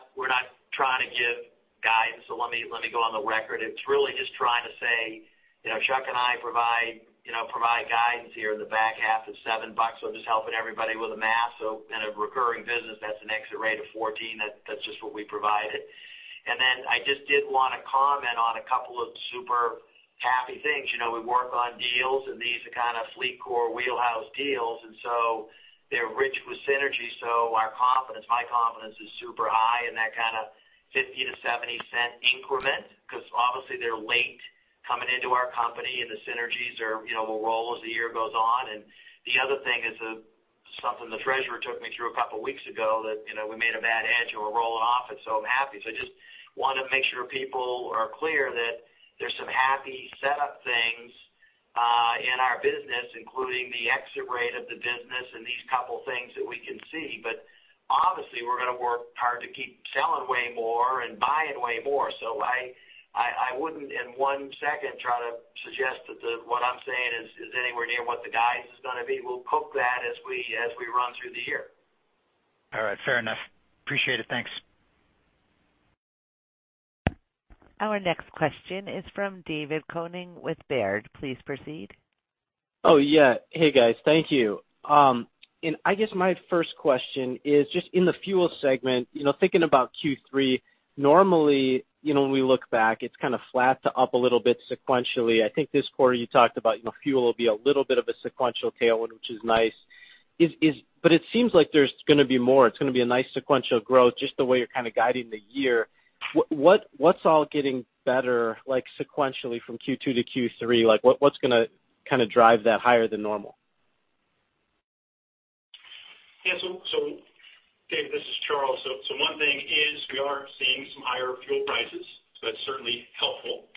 trying to give guidance, so let me go on the record. It's really just trying to say, Charles and I provide guidance here in the back half of $7. I'm just helping everybody with the math. In a recurring business, that's an exit rate of $14. That's just what we provided. Then I just did want to comment on a couple of super happy things. We work on deals, and these are kind of FleetCor wheelhouse deals, and so they're rich with synergy. Our confidence, my confidence is super high in that kind of $0.50-$0.70 increment because obviously they're linked coming into our company and the synergies will roll as the year goes on. The other thing is something the treasurer took me through a couple of weeks ago that we made a bad hedge and we're rolling off it, so I'm happy. I just want to make sure people are clear that there's some happy setup things in our business, including the exit rate of the business and these couple things that we can see. Obviously, we're going to work hard to keep selling way more and buying way more. I wouldn't in one second try to suggest that what I'm saying is anywhere near what the guidance is going to be. We'll poke that as we run through the year. All right, fair enough. Appreciate it. Thanks. Our next question is from David Koning with Baird. Please proceed. Yeah. Hey, guys. Thank you. I guess my first question is just in the fuel segment, thinking about Q3, normally, when we look back, it's kind of flat to up a little bit sequentially. I think this quarter you talked about fuel will be a little bit of a sequential tailwind, which is nice. It seems like there's going to be more. It's going to be a nice sequential growth, just the way you're kind of guiding the year. What's all getting better sequentially from Q2 to Q3? What's going to kind of drive that higher than normal? Yeah. Dave, this is Charles. One thing is we are seeing some higher fuel prices, so that's certainly helpful.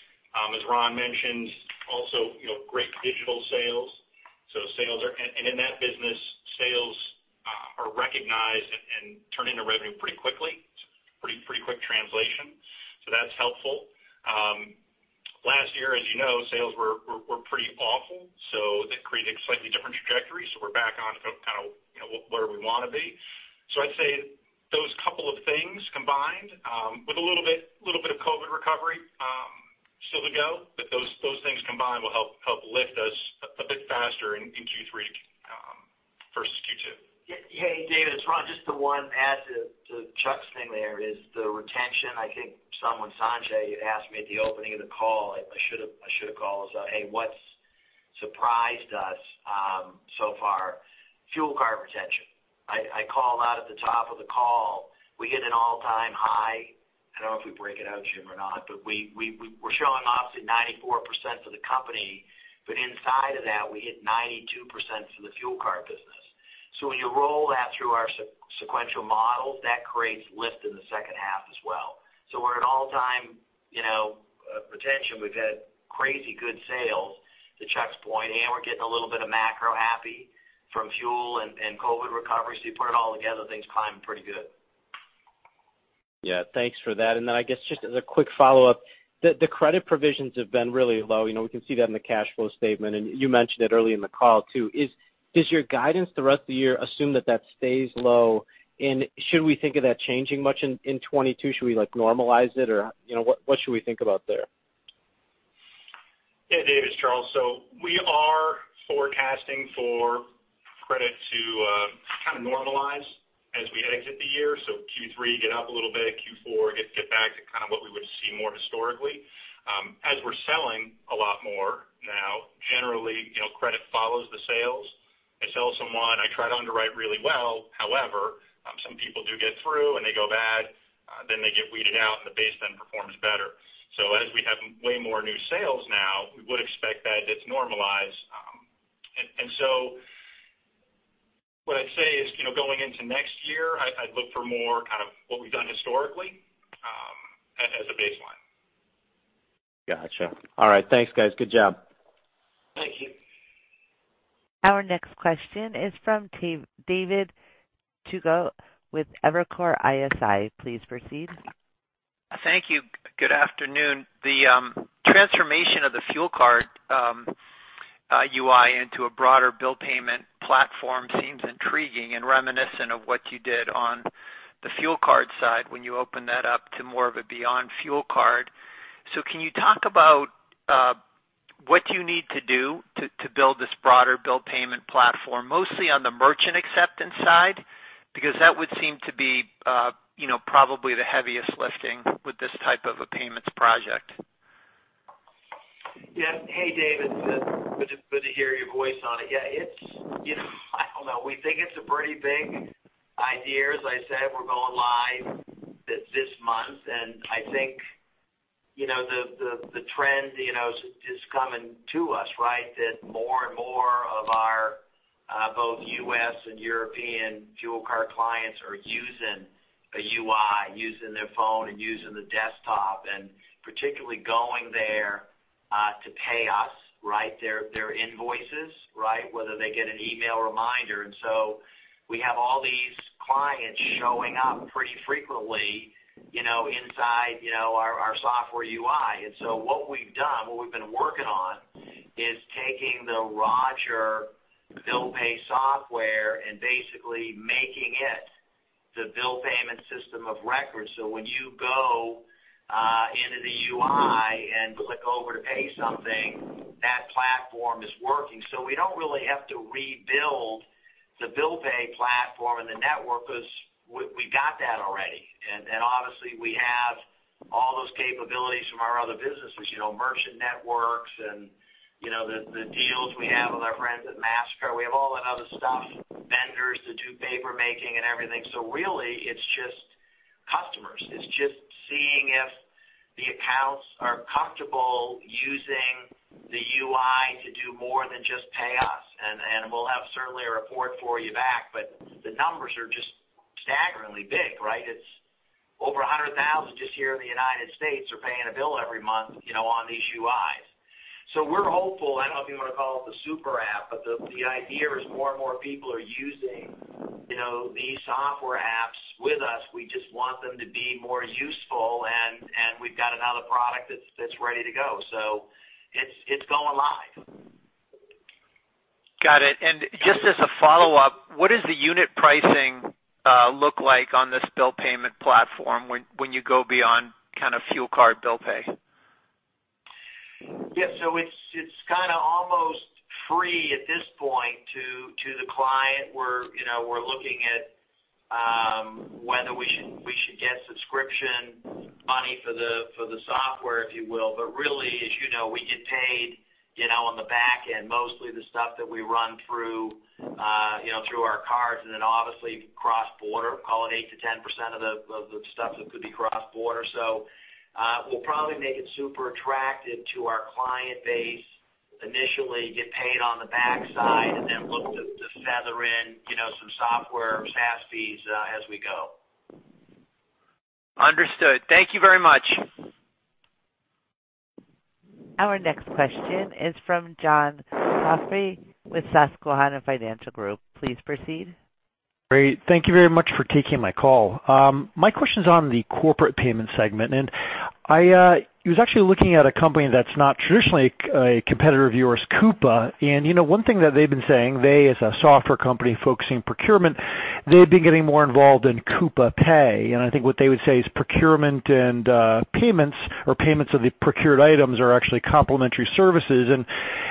As Ron mentioned also great digital sales. In that business, sales are recognized and turn into revenue pretty quickly. It's a pretty quick translation, so that's helpful. Last year, as you know, sales were pretty awful, so that created a slightly different trajectory. We're back on kind of where we want to be. I'd say those couple of things combined with a little bit of COVID recovery still to go, but those things combined will help lift us a bit faster in Q3 versus Q2. Hey, David, it's Ron, just the one add to Charles's thing there is the retention. I think someone, Sanjay, you asked me at the opening of the call, I should've called this out. Hey, what's surprised us so far? Fuel card retention. I called out at the top of the call, we hit an all-time high. I don't know if we break it out, Jim or not, but we're showing obviously 94% for the company, but inside of that, we hit 92% for the fuel card business. When you roll that through our sequential model, that creates lift in the second half as well. We're at all-time retention. We've had crazy good sales, to Charles's point, and we're getting a little bit of macro happy from fuel and COVID recovery. You put it all together, things climbing pretty good. Yeah. Thanks for that. Then I guess, just as a quick follow-up, the credit provisions have been really low. We can see that in the cash flow statement, and you mentioned it early in the call, too. Does your guidance throughout the year assume that that stays low? Should we think of that changing much in 2022? Should we normalize it? What should we think about there? Yeah, Dave, it's Charles. We are forecasting for credit to kind of normalize as we exit the year. Q3, get up a little bit, Q4, get back to kind of what we would see more historically. As we're selling a lot more now, generally, credit follows the sales. I sell someone, I try to underwrite really well, however, some people do get through, and they go bad, then they get weeded out, and the base then performs better. As we have way more new sales now, we would expect that this normalize. What I'd say is, going into next year, I'd look for more kind of what we've done historically as a baseline. Got you. All right. Thanks, guys. Good job. Thank you. Our next question is from David Togut with Evercore ISI. Please proceed. Thank you. Good afternoon. The transformation of the fuel card UI into a broader bill payment platform seems intriguing and reminiscent of what you did on the fuel card side when you opened that up to more of a beyond fuel card. Can you talk about what you need to do to build this broader bill payment platform, mostly on the merchant acceptance side? That would seem to be probably the heaviest lifting with this type of a payments project. Yeah. Hey, David. Good to hear your voice on it. Yeah. I don't know. We think it's a pretty big idea. As I said, we're going live this month, and I think the trend is coming to us, right? That more and more of our both U.S. and European fuel card clients are using a UI, using their phone and using the desktop, and particularly going there to pay us their invoices, whether they get an email reminder. We have all these clients showing up pretty frequently inside our software UI. What we've done, what we've been working on, is taking the Roger bill pay software and basically making it the bill payment system of record. When you go into the UI and click over to pay something, that platform is working. We don't really have to rebuild the bill pay platform and the network because we got that already. Obviously, we have all those capabilities from our other businesses, merchant networks and the deals we have with our friends at Mastercard. We have all that other stuff, vendors to do paper making and everything. Really, it's just customers. It's just seeing if the accounts are comfortable using the UI to do more than just pay us. We'll have certainly a report for you back, but the numbers are just staggeringly big, right? It's over 100,000 just here in the U.S. are paying a bill every month on these UIs. We're hopeful. I don't know if you want to call it the super app, but the idea is more and more people are using these software apps with us. We just want them to be more useful, and we've got another product that's ready to go. It's going live. Got it. Just as a follow-up, what does the unit pricing look like on this bill payment platform when you go beyond kind of fuel card bill pay? Yeah. It's kind of almost free at this point to the client. We're looking at whether we should get subscription money for the software, if you will. Really, as you know, we get paid on the back end, mostly the stuff that we run through our cards, and then obviously cross-border, call it 8%-10% of the stuff that could be cross-border. We'll probably make it super attractive to our client base initially, get paid on the backside, and then look to feather in some software SaaS fees as we go. Understood. Thank you very much. Our next question is from John Coffey with Susquehanna Financial Group. Please proceed. Great. Thank you very much for taking my call. My question's on the corporate payment segment. I was actually looking at a company that's not traditionally a competitor of yours, Coupa. One thing that they've been saying, they as a software company focusing procurement, they've been getting more involved in Coupa Pay. I think what they would say is procurement and payments or payments of the procured items, are actually complementary services.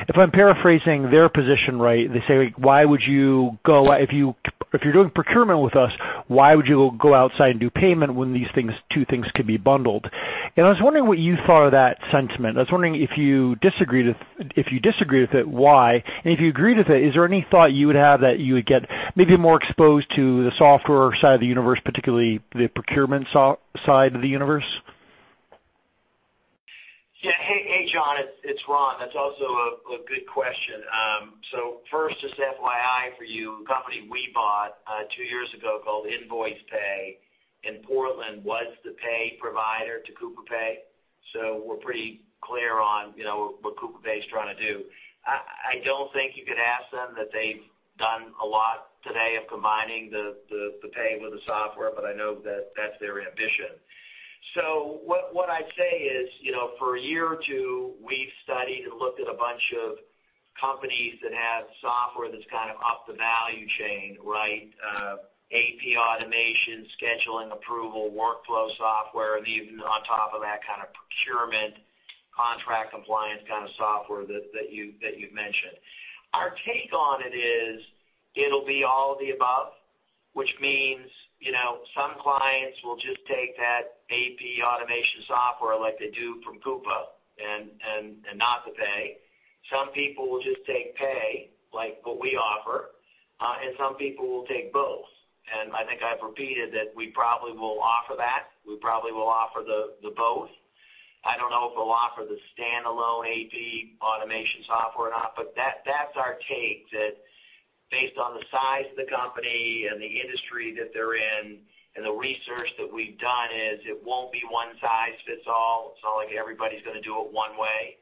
If I'm paraphrasing their position right, they say, "If you're doing procurement with us, why would you go outside and do payment when these two things could be bundled?" I was wondering what you thought of that sentiment. I was wondering, if you disagree with it, why? If you agree with it, is there any thought you would have that you would get maybe more exposed to the software side of the universe, particularly the procurement side of the universe? Yeah. Hey, John, it's Ron. That's also a good question. First, just FYI for you, a company we bought two years ago called Nvoicepay in Portland was the pay provider to Corpay. We're pretty clear on what Corpay is trying to do. I don't think you could ask them that they've done a lot today of combining the pay with the software, but I know that's their ambition. What I'd say is, for a year or two, we've studied and looked at a bunch of companies that have software that's kind of up the value chain, right? AP automation, scheduling approval, workflow software, and even on top of that, kind of procurement contract compliance kind of software that you've mentioned. Our take on it is, it'll be all of the above, which means some clients will just take that AP automation software like they do from Coupa and not the pay. Some people will just take pay, like what we offer, and some people will take both. I think I've repeated that we probably will offer that. We probably will offer the both. I don't know if we'll offer the standalone AP automation software or not, but that's our take, that based on the size of the company and the industry that they're in, and the research that we've done is it won't be one size fits all. It's not like everybody's going to do it one way.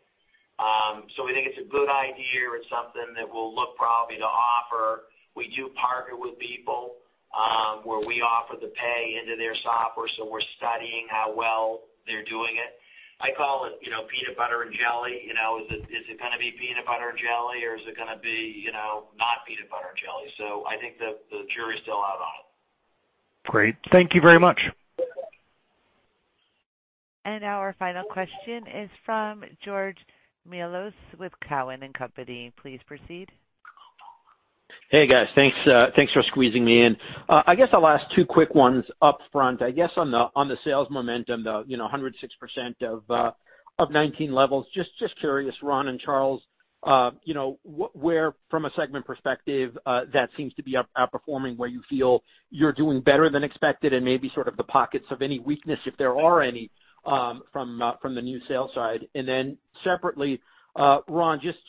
We think it's a good idea. It's something that we'll look probably to offer. We do partner with people, where we offer the pay into their software, so we're studying how well they're doing it. I call it peanut butter and jelly. Is it going to be peanut butter and jelly, or is it going to be not peanut butter and jelly? I think the jury's still out on it. Great. Thank you very much. Now our final question is from George Mihalos with Cowen and Company. Please proceed. Hey, guys. Thanks for squeezing me in. I guess I'll ask two quick ones up front. I guess on the sales momentum, the 106% of 2019 levels, just curious, Ron and Charles, where from a segment perspective that seems to be outperforming, where you feel you're doing better than expected, and maybe sort of the pockets of any weakness, if there are any, from the new sales side? Separately, Ron, just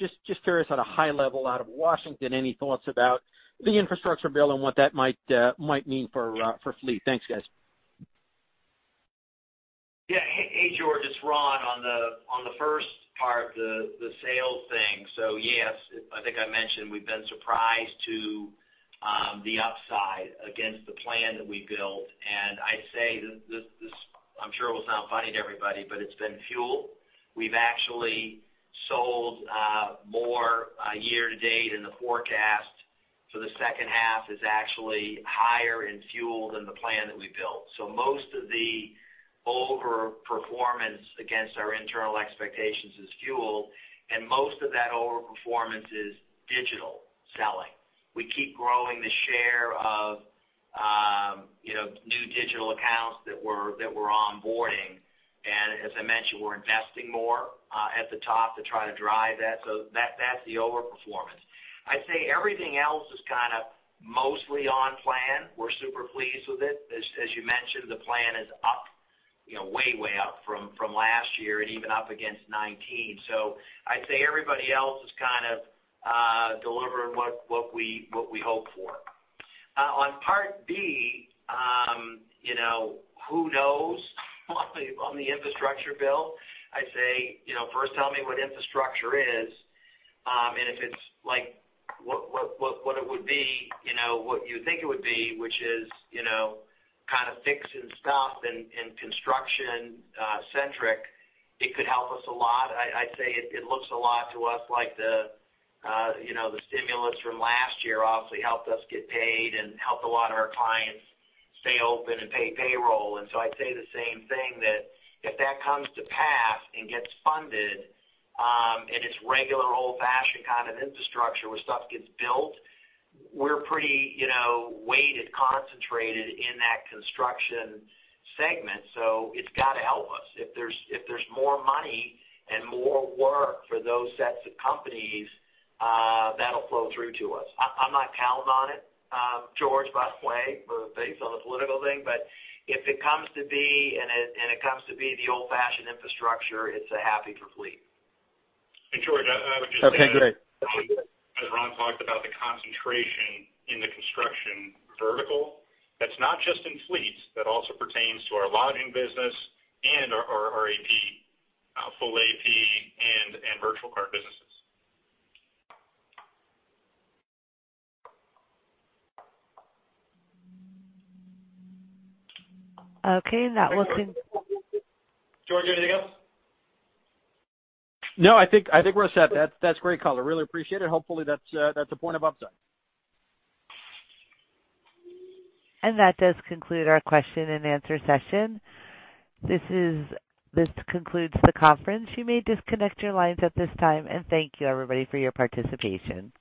curious at a high level out of Washington, any thoughts about the infrastructure bill and what that might mean for Fleet? Thanks, guys. Hey, George, it's Ron on the first part, the sales thing. Yes, I think I mentioned we've been surprised to the upside against the plan that we built. I say this, I'm sure will sound funny to everybody, but it's been fuel. We've actually sold more year to date. The forecast for the second half is actually higher in fuel than the plan that we built. Most of the over-performance against our internal expectations is fuel. Most of that over-performance is digital selling. We keep growing the share of new digital accounts that we're onboarding. As I mentioned, we're investing more at the top to try to drive that. That's the over-performance. I'd say everything else is kind of mostly on plan. We're super pleased with it. As you mentioned, the plan is up, way up from last year and even up against 2019. I'd say everybody else is kind of delivering what we hope for. On part B, who knows on the infrastructure bill? I'd say first tell me what infrastructure is, and if it's like what it would be, what you think it would be, which is kind of fixing stuff and construction centric, it could help us a lot. I'd say it looks a lot to us like the stimulus from last year obviously helped us get paid and helped a lot of our clients stay open and pay payroll. I'd say the same thing that if that comes to pass and gets funded, and it's regular old-fashioned kind of infrastructure where stuff gets built, we're pretty weighted, concentrated in that construction segment. It's got to help us. If there's more money and more work for those sets of companies, that'll flow through to us. I'm not counting on it, George, by the way, based on the political thing. If it comes to be, and it comes to be the old-fashioned infrastructure, it's a happy for Fleet. George, I would just say. Okay, great. As Ron talked about the concentration in the construction vertical, that's not just in fleets. That also pertains to our lodging business and our AP, full AP and virtual card businesses. Okay. George, anything else? No, I think we're set. That's great color. Really appreciate it. Hopefully, that's a point of upside. That does conclude our question and answer session. This concludes the conference. You may disconnect your lines at this time, and thank you everybody, for your participation.